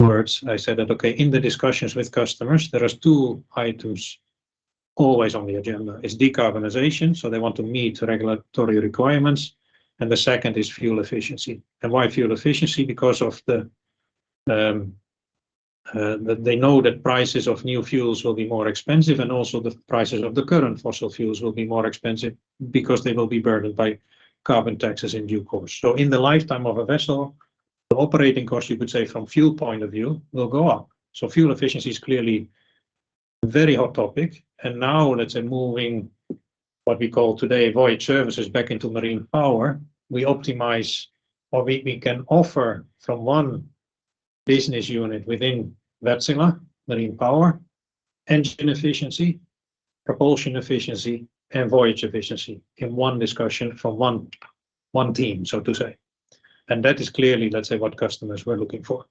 words, I said that, okay, in the discussions with customers, there are two items always on the agenda is decarbonization, so they want to meet regulatory requirements, and the second is fuel efficiency. And why fuel efficiency? Because of that they know that prices of new fuels will be more expensive, and also the prices of the current fossil fuels will be more expensive because they will be burdened by carbon taxes in due course. So in the lifetime of a vessel, the operating cost, you could say, from fuel point of view, will go up. So fuel efficiency is clearly a very hot topic, and now let's say moving what we call today Voyage Services back Marine Power, we optimize or we can offer from one business unit within Marine Power, engine efficiency, propulsion efficiency, and Voyage efficiency in one discussion from one team, so to say. And that is clearly, let's say, what customers were looking for.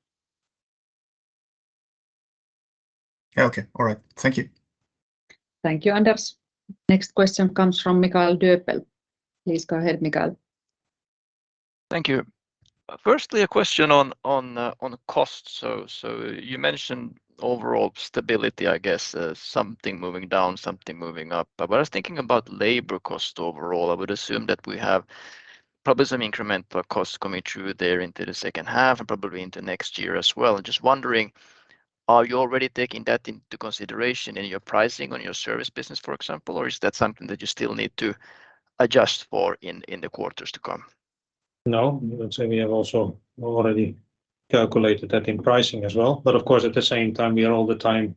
Okay. All right. Thank you. Thank you, Anders. Next question comes from Mikael Döpel. Please go ahead, Mikael. Thank you. Firstly, a question on cost. So you mentioned overall stability, I guess, something moving down, something moving up. But I was thinking about labor cost overall. I would assume that we have probably some incremental costs coming through there into the H2 and probably into next year as well. I'm just wondering, are you already taking that into consideration in your pricing on your service business, for example, or is that something that you still need to adjust for in the quarters to come? No, I would say we have also already calculated that in pricing as well. But of course, at the same time, we are all the time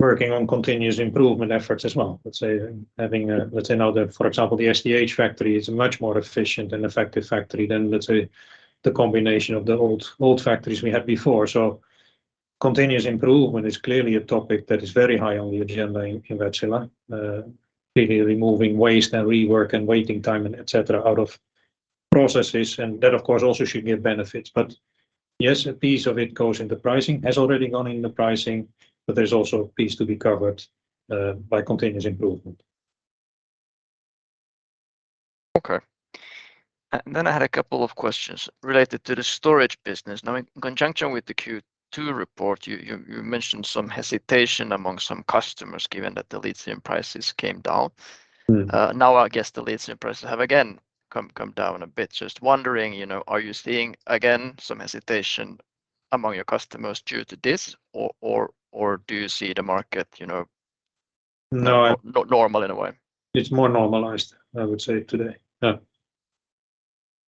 working on continuous improvement efforts as well. Let's say, having, let's say now that, for example, the STH factory is a much more efficient and effective factory than, let's say, the combination of the old, old factories we had before. So continuous improvement is clearly a topic that is very high on the agenda in Wärtsilä. Clearly removing waste and rework and waiting time and et cetera out of processes, and that, of course, also should give benefits. But yes, a piece of it goes in the pricing, has already gone in the pricing, but there's also a piece to be covered by continuous improvement. Okay. And then I had a couple of questions related to the storage business. Now, in conjunction with the Q2 report, you mentioned some hesitation among some customers, given that the lithium prices came down. Mm. Now I guess the lithium prices have again come down a bit. Just wondering, you know, are you seeing again some hesitation among your customers due to this, or do you see the market, you know- No... normal in a way? It's more normalized, I would say today. Yeah.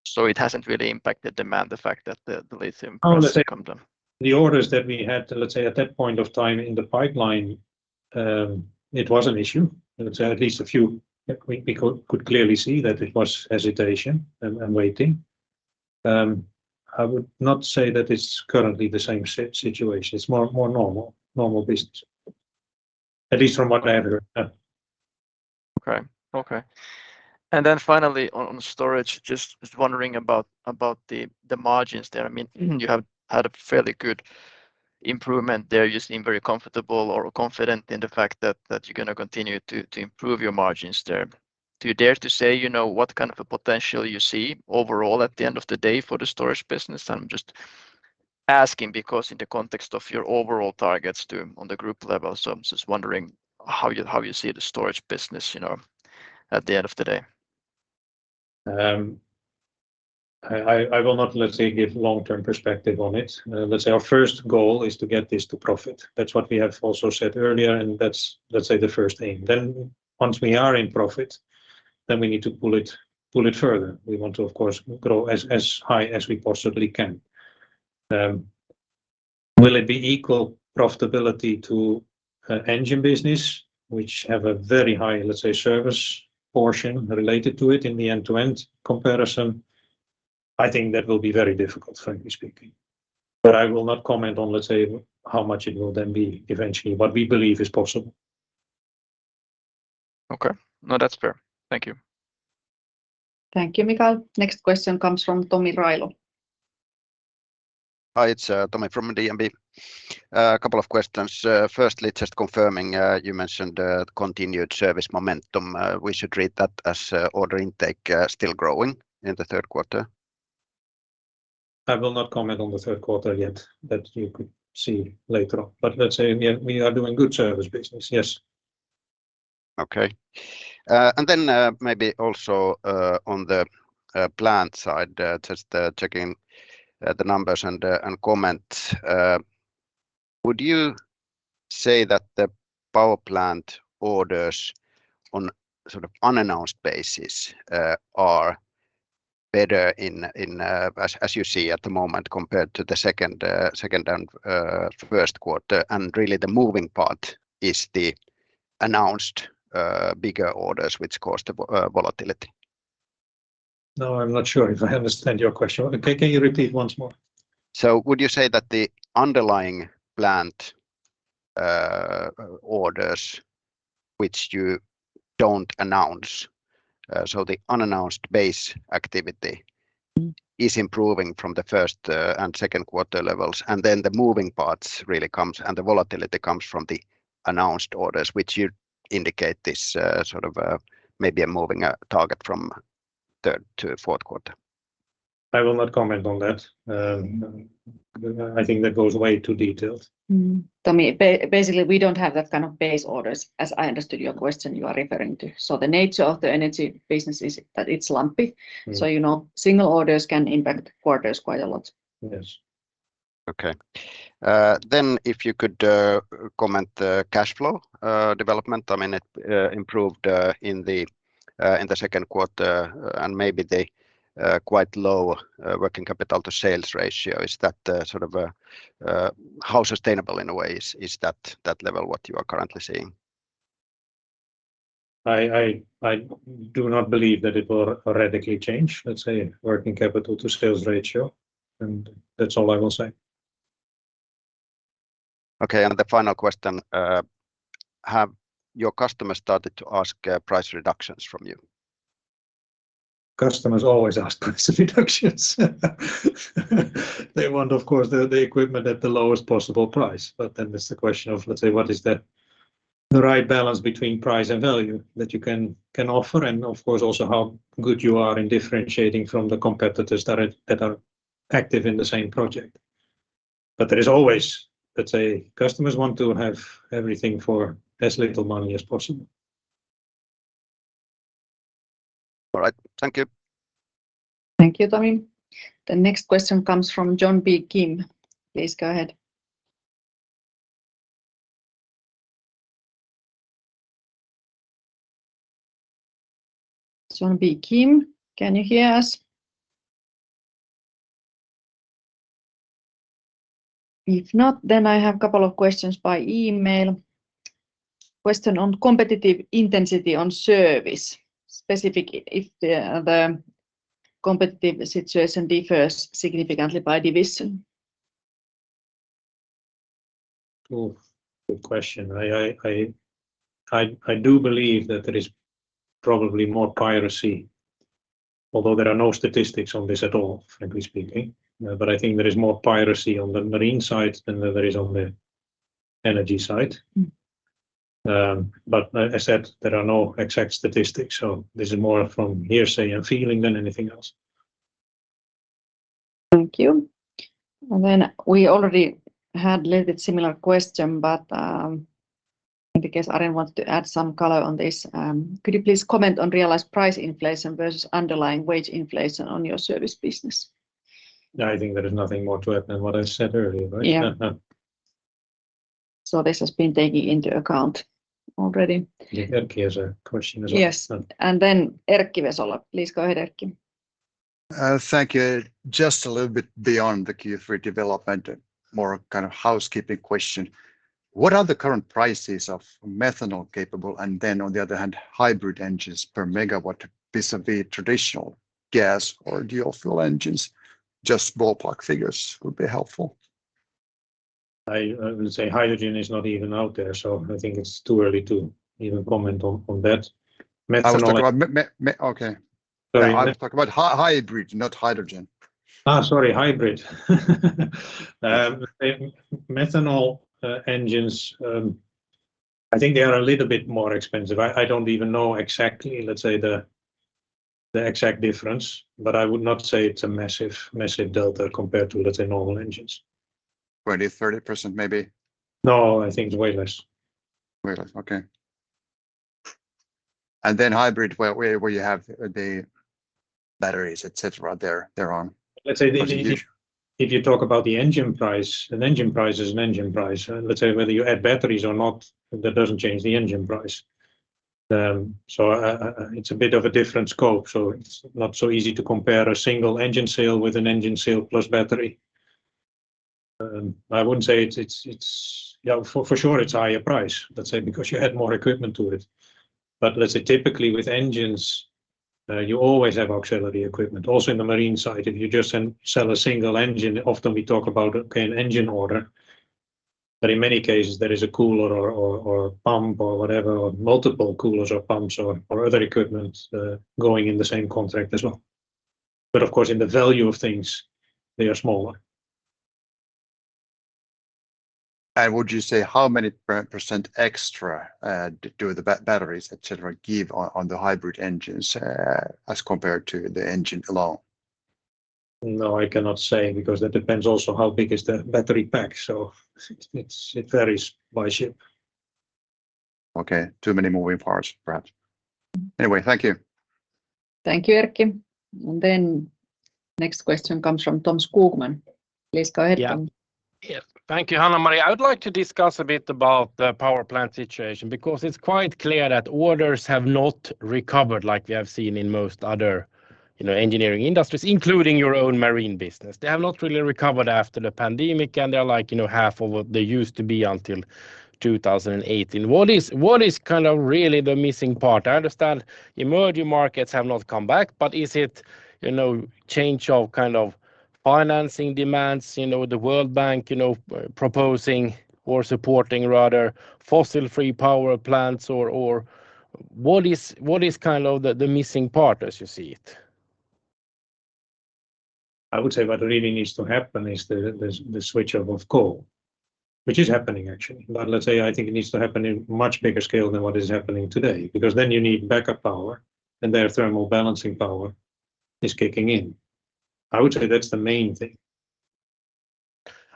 So it hasn't really impacted demand, the fact that the lithium prices have come down? The orders that we had, let's say, at that point of time in the pipeline, it was an issue. Let's say at least a few, we could clearly see that it was hesitation and waiting. I would not say that it's currently the same situation. It's more normal business, at least from what I heard. Yeah. Okay. Okay. And then finally, on storage, just wondering about the margins there. I mean- Mm... you have had a fairly good improvement there. You seem very comfortable or confident in the fact that, that you're gonna continue to, to improve your margins there. Do you dare to say you know what kind of a potential you see overall at the end of the day for the storage business? I'm just asking because in the context of your overall targets to... on the group level. So I'm just wondering how you, how you see the storage business, you know, at the end of the day. I will not, let's say, give long-term perspective on it. Let's say our first goal is to get this to profit. That's what we have also said earlier, and that's, let's say, the first thing. Then once we are in profit, then we need to pull it, pull it further. We want to, of course, grow as, as high as we possibly can. Will it be equal profitability to engine business, which have a very high, let's say, service portion related to it in the end-to-end comparison? I think that will be very difficult, frankly speaking. But I will not comment on, let's say, how much it will then be eventually, but we believe it's possible. Okay. No, that's fair. Thank you. Thank you, Mikael. Next question comes from Tomi Railo. Hi, it's Tomi from DNB. A couple of questions. Firstly, just confirming, you mentioned continued service momentum. We should treat that as order intake still growing in the Q3? I will not comment on the Q3 yet, but you could see later on. Let's say we are doing good service business, yes. Okay. And then, maybe also, on the plant side, just checking the numbers and comments. Would you say that the power plant orders on sort of unannounced basis are better, as you see at the moment, compared to the second and Q1, and really the moving part is the announced bigger orders, which caused the volatility? No, I'm not sure if I understand your question. Okay, can you repeat once more? Would you say that the underlying plant orders, which you don't announce, so the unannounced base activity is improving from the first and Q2 levels, and then the moving parts really comes, and the volatility comes from the announced orders, which you indicate this sort of maybe a moving target from Q3 to Q4?... I will not comment on that. I think that goes way too detailed. Tomi, basically, we don't have that kind of baseload orders, as I understood your question, you are referring to. So the nature of the energy business is that it's lumpy. Mm. You know, single orders can impact quarters quite a lot. Yes. Okay. Then if you could comment the cash flow development. I mean, it improved in the Q2, and maybe the quite low working capital to sales ratio. Is that sort of how sustainable in a way is that level, what you are currently seeing? I do not believe that it will radically change, let's say, working capital to sales ratio, and that's all I will say. Okay, the final question: Have your customers started to ask, price reductions from you? Customers always ask price reductions. They want, of course, the equipment at the lowest possible price. But then it's the question of, let's say, what is the right balance between price and value that you can offer, and of course, also how good you are in differentiating from the competitors that are active in the same project. But there is always, let's say, customers want to have everything for as little money as possible. All right. Thank you. Thank you, Tomi. The next question comes from John B. Kim. Please go ahead. John B. Kim, can you hear us? If not, then I have a couple of questions by email. Question on competitive intensity on service, specific if the competitive situation differs significantly by division. Oh, good question. I do believe that there is probably more piracy, although there are no statistics on this at all, frankly speaking. But I think there is more piracy on the marine side than there is on the energy side. Mm. But as I said, there are no exact statistics, so this is more from hearsay and feeling than anything else. Thank you. And then we already had a little bit similar question, but, in case I wanted to add some color on this, could you please comment on realized price inflation versus underlying wage inflation on your service business? I think there is nothing more to it than what I said earlier, right? Yeah. So this has been taken into account already. Erkki has a question as well. Yes. And then Erkki Vesola. Please go ahead, Erkki. Thank you. Just a little bit beyond the Q3 development, a more kind of housekeeping question: What are the current prices of methanol-capable, and then, on the other hand, hybrid engines per megawatt vis-à-vis traditional gas or dual fuel engines? Just ballpark figures would be helpful. I would say hydrogen is not even out there, so I think it's too early to even comment on that. Methanol- I was talking about me. Okay. Sorry. I was talking about hybrid, not hydrogen. Ah, sorry, hybrid. Methanol engines, I think they are a little bit more expensive. I don't even know exactly, let's say, the exact difference, but I would not say it's a massive, massive delta compared to, let's say, normal engines. 20%-30% maybe? No, I think it's way less. Way less. Okay. And then hybrid, where you have the batteries, et cetera, they're on. Let's say if you, if you talk about the engine price, an engine price is an engine price. Let's say whether you add batteries or not, that doesn't change the engine price. So, it's a bit of a different scope, so it's not so easy to compare a single engine sale with an engine sale plus battery. I wouldn't say it's... Yeah, for sure, it's a higher price, let's say, because you add more equipment to it. But let's say typically with engines, you always have auxiliary equipment. Also, in the marine side, if you just sell a single engine, often we talk about, okay, an engine order, but in many cases there is a cooler or pump or whatever, or multiple coolers or pumps or other equipment going in the same contract as well. But of course, in the value of things, they are smaller. Would you say how many percent extra do the batteries, et cetera, give on the hybrid engines as compared to the engine alone? No, I cannot say, because that depends also how big is the battery pack, so it varies by ship. Okay. Too many moving parts, perhaps. Anyway, thank you. Thank you, Erkki. Next question comes from Tom Skogman. Please go ahead, Tom. Yeah. Thank you, Hanna-Maria. I would like to discuss a bit about the power plant situation, because it's quite clear that orders have not recovered like we have seen in most other, you know, engineering industries, including your own marine business. They have not really recovered after the pandemic, and they are like, you know, of what they used to be until 2018. What is, what is kind of really the missing part? I understand emerging markets have not come back, but is it, you know, change of kind of financing demands, you know, the World Bank, you know, proposing or supporting rather fossil-free power plants or, or... What is, what is kind of the, the missing part as you see it? I would say what really needs to happen is the switch of coal, which is happening actually. But let's say I think it needs to happen in much bigger scale than what is happening today, because then you need backup power, and their thermal balancing power is kicking in. I would say that's the main thing.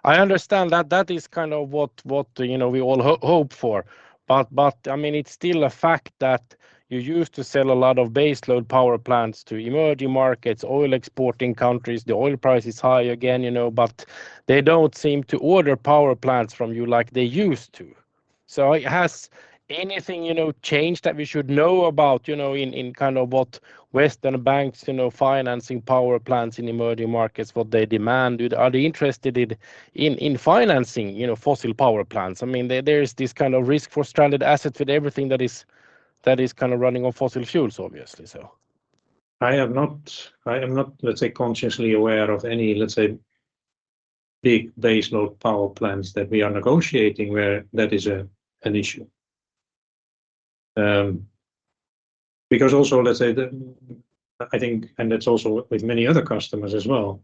I understand that. That is kind of what you know, we all hope for. But I mean, it's still a fact that you used to sell a lot of baseload power plants to emerging markets, oil exporting countries. The oil price is high again, you know, but they don't seem to order power plants from you like they used to. So has anything you know, changed that we should know about, you know, in kind of what Western banks you know, financing power plants in emerging markets, what they demand? Are they interested in financing you know, fossil power plants? I mean, there is this kind of risk for stranded assets with everything that is kind of running on fossil fuels, obviously, so. I am not, I am not, let's say, consciously aware of any, let's say, big baseload power plants that we are negotiating where that is a, an issue. I think... That's also with many other customers as well.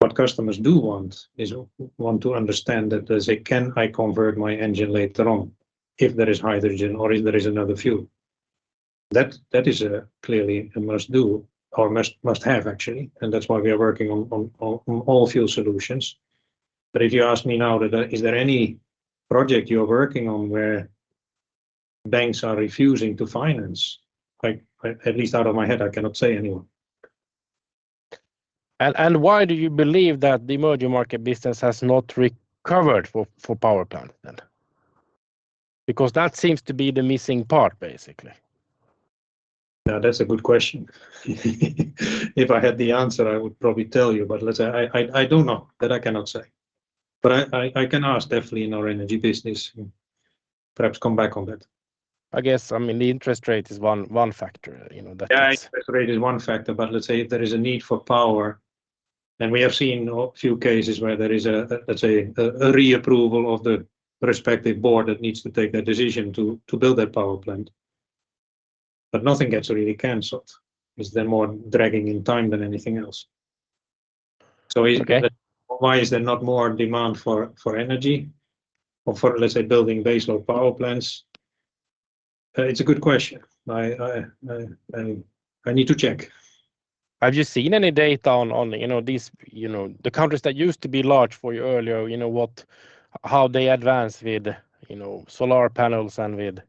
What customers do want is, want to understand that, let's say, "Can I convert my engine later on if there is hydrogen or if there is another fuel?" That, that is clearly a must-do or must-have, actually, and that's why we are working on, on, on, on all fuel solutions. If you ask me now that, is there any project you're working on where banks are refusing to finance, like, at least out of my head, I cannot say any one. Why do you believe that the emerging market business has not recovered for power plant then? Because that seems to be the missing part, basically. Now, that's a good question. If I had the answer, I would probably tell you. But let's say, I don't know. That I cannot say. But I can ask definitely in our energy business, perhaps come back on that. I guess, I mean, the interest rate is one factor, you know, that- Yeah, interest rate is one factor, but let's say there is a need for power, and we have seen a few cases where there is a reapproval of the respective board that needs to take that decision to build that power plant. But nothing gets really canceled. It's then more dragging in time than anything else. Okay. So why is there not more demand for energy or, let's say, building baseload power plants? It's a good question. I need to check. Have you seen any data on, you know, these, you know, the countries that used to be large for you earlier, you know, how they advance with, you know, solar panels and with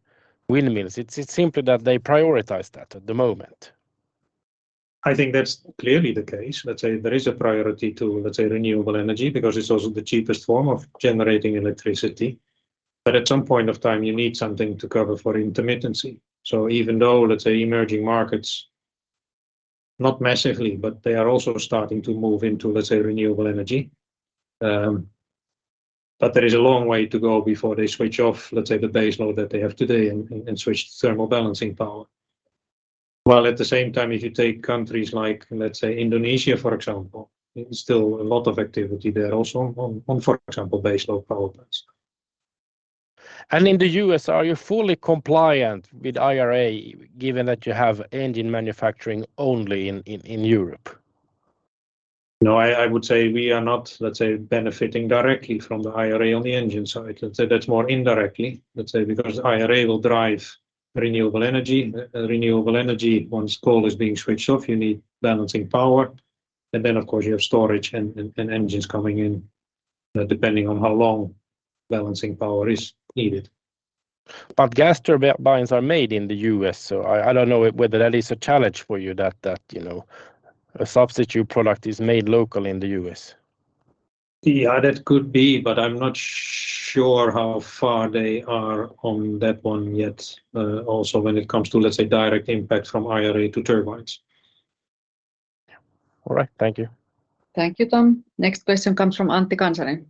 windmills? It's simply that they prioritize that at the moment. I think that's clearly the case. Let's say there is a priority to, let's say, renewable energy, because it's also the cheapest form of generating electricity. But at some point of time, you need something to cover for intermittency. So even though, let's say, emerging markets, not massively, but they are also starting to move into, let's say, renewable energy, but there is a long way to go before they switch off, let's say, the baseload that they have today and switch to thermal balancing power. While at the same time, if you take countries like, let's say, Indonesia, for example, there is still a lot of activity there also on, for example, baseload power plants. In the U.S., are you fully compliant with IRA, given that you have engine manufacturing only in Europe? No, I would say we are not, let's say, benefiting directly from the IRA on the engine side. Let's say that's more indirectly, let's say, because IRA will drive renewable energy. Renewable energy, once coal is being switched off, you need balancing power, and then, of course, you have storage and, and, and engines coming in, depending on how long balancing power is needed. But gas turbines are made in the U.S., so I don't know whether that is a challenge for you, that you know, a substitute product is made local in the U.S. Yeah, that could be, but I'm not sure how far they are on that one yet, also when it comes to, let's say, direct impact from IRA to turbines. Yeah. All right. Thank you. Thank you, Tom. Next question comes from Antti Kansanen.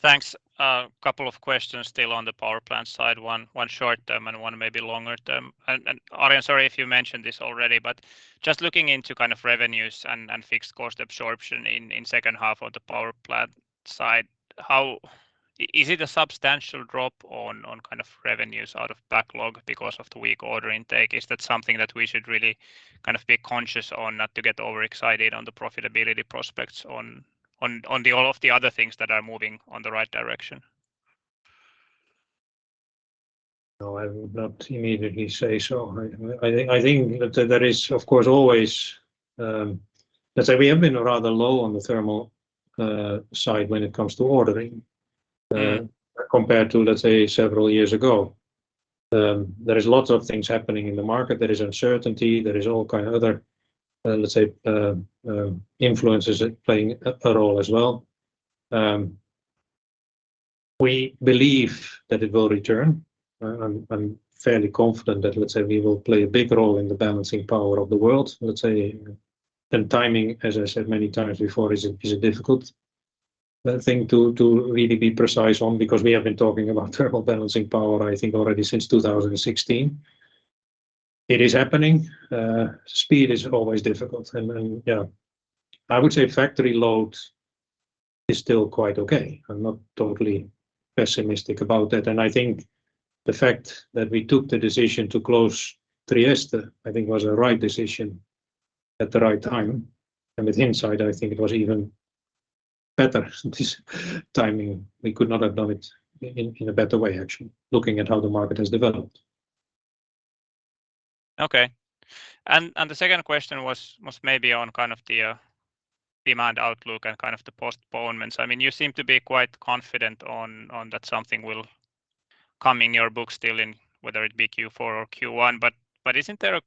Thanks. A couple of questions still on the power plant side, one short term and one maybe longer term. And Arjen, sorry if you mentioned this already, but just looking into kind of revenues and fixed cost absorption in H2 of the power plant side, how... Is it a substantial drop on kind of revenues out of backlog because of the weak order intake? Is that something that we should really kind of be conscious on, not to get overexcited on the profitability prospects on all of the other things that are moving on the right direction? No, I would not immediately say so. I think that there is, of course, always... Let's say we have been rather low on the thermal side when it comes to ordering- Mm-hmm... compared to, let's say, several years ago. There is lots of things happening in the market. There is uncertainty, there is all kind of other, let's say, influences playing a, a role as well. We believe that it will return. I'm, I'm fairly confident that, let's say, we will play a big role in the balancing power of the world, let's say, and timing, as I said many times before, is a, is a difficult thing to, to really be precise on, because we have been talking about thermal balancing power, I think, already since 2016. It is happening, speed is always difficult, and, and yeah. I would say factory load is still quite okay. I'm not totally pessimistic about that, and I think the fact that we took the decision to close Trieste, I think, was the right decision... at the right time, and with hindsight, I think it was even better this timing. We could not have done it in a better way, actually, looking at how the market has developed. Okay. The second question was maybe on kind of the demand outlook and kind of the postponements. I mean, you seem to be quite confident on that something will come in your book still in, whether it be Q4 or Q1, but isn't there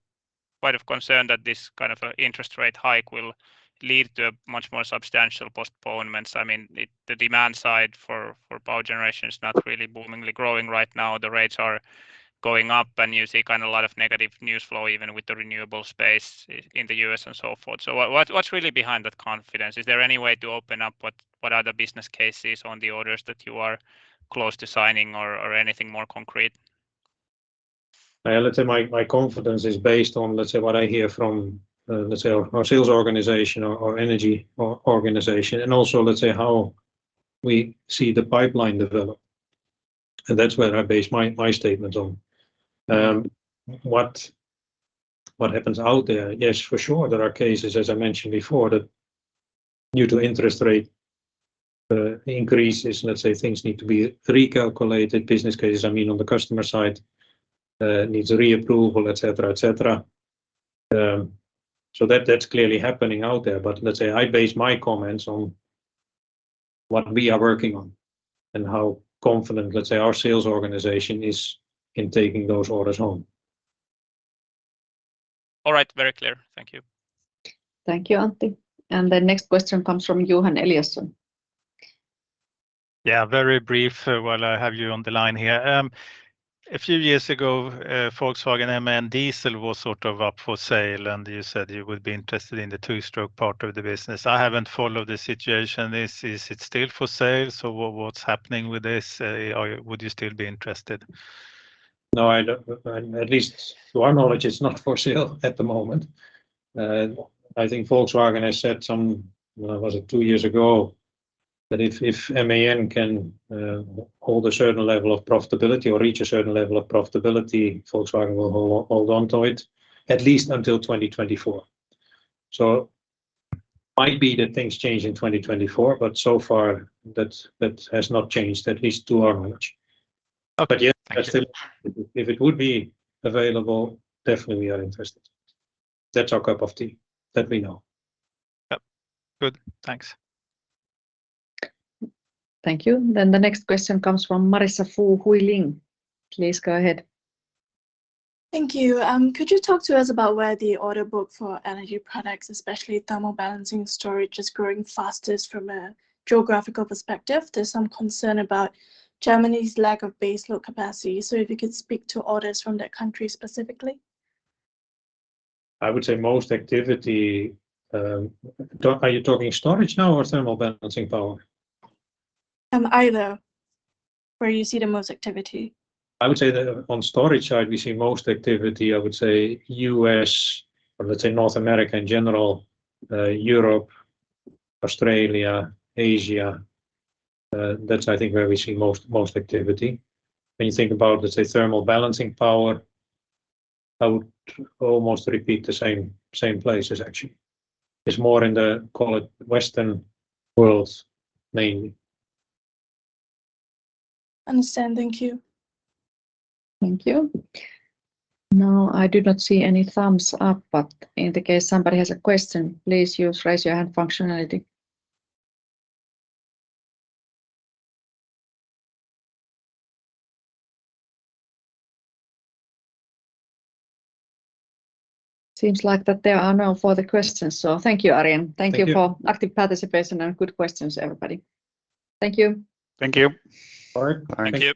quite a concern that this kind of interest rate hike will lead to much more substantial postponements? I mean, the demand side for power generation is not really boomingly growing right now. The rates are going up, and you see kind of a lot of negative news flow, even with the renewable space in the U.S. and so forth. What, what's really behind that confidence? Is there any way to open up what are the business cases on the orders that you are close to signing or anything more concrete? Let's say my confidence is based on, let's say, what I hear from, let's say our sales organization or energy organization, and also, let's say, how we see the pipeline develop, and that's where I base my statement on. What happens out there? Yes, for sure, there are cases, as I mentioned before, that due to interest rate increases, let's say things need to be recalculated, business cases, I mean, on the customer side, needs reapproval, et cetera, et cetera. So that's clearly happening out there. But let's say I base my comments on what we are working on and how confident, let's say, our sales organization is in taking those orders home. All right. Very clear. Thank you. Thank you, Antti. The next question comes from Johan Eliason. Yeah, very brief while I have you on the line here. A few years ago, Volkswagen MAN Diesel was sort of up for sale, and you said you would be interested in the two-stroke part of the business. I haven't followed the situation. Is it still for sale? So what's happening with this? Or would you still be interested? No, I don't. At least to our knowledge, it's not for sale at the moment. I think Volkswagen has said some, when was it? Two years ago, that if MAN can hold a certain level of profitability or reach a certain level of profitability, Volkswagen will hold on to it at least until 2024. So might be that things change in 2024, but so far that has not changed, at least to our knowledge. Okay. Thank you. But yeah, if it would be available, definitely we are interested. That's our cup of tea. That we know. Yep. Good. Thanks. Thank you. Then the next question comes from Marissa Fu Huiling. Please go ahead. Thank you. Could you talk to us about where the order book for energy products, especially thermal balancing storage, is growing fastest from a geographical perspective? There's some concern about Germany's lack of baseload capacity, so if you could speak to orders from that country specifically. I would say most activity, are you talking storage now or thermal balancing power? Either. Where you see the most activity. I would say that on storage side, we see most activity, I would say U.S., or let's say North America in general, Europe, Australia, Asia. That's I think where we see most, most activity. When you think about, let's say, thermal balancing power, I would almost repeat the same, same places, actually. It's more in the, call it, Western world, mainly. Understand. Thank you. Thank you. Now, I do not see any thumbs up, but in the case somebody has a question, please use Raise Your Hand functionality. Seems like that there are no further questions, so thank you, Arjen. Thank you. Thank you for active participation and good questions, everybody. Thank you. Thank you. All right. Thank you.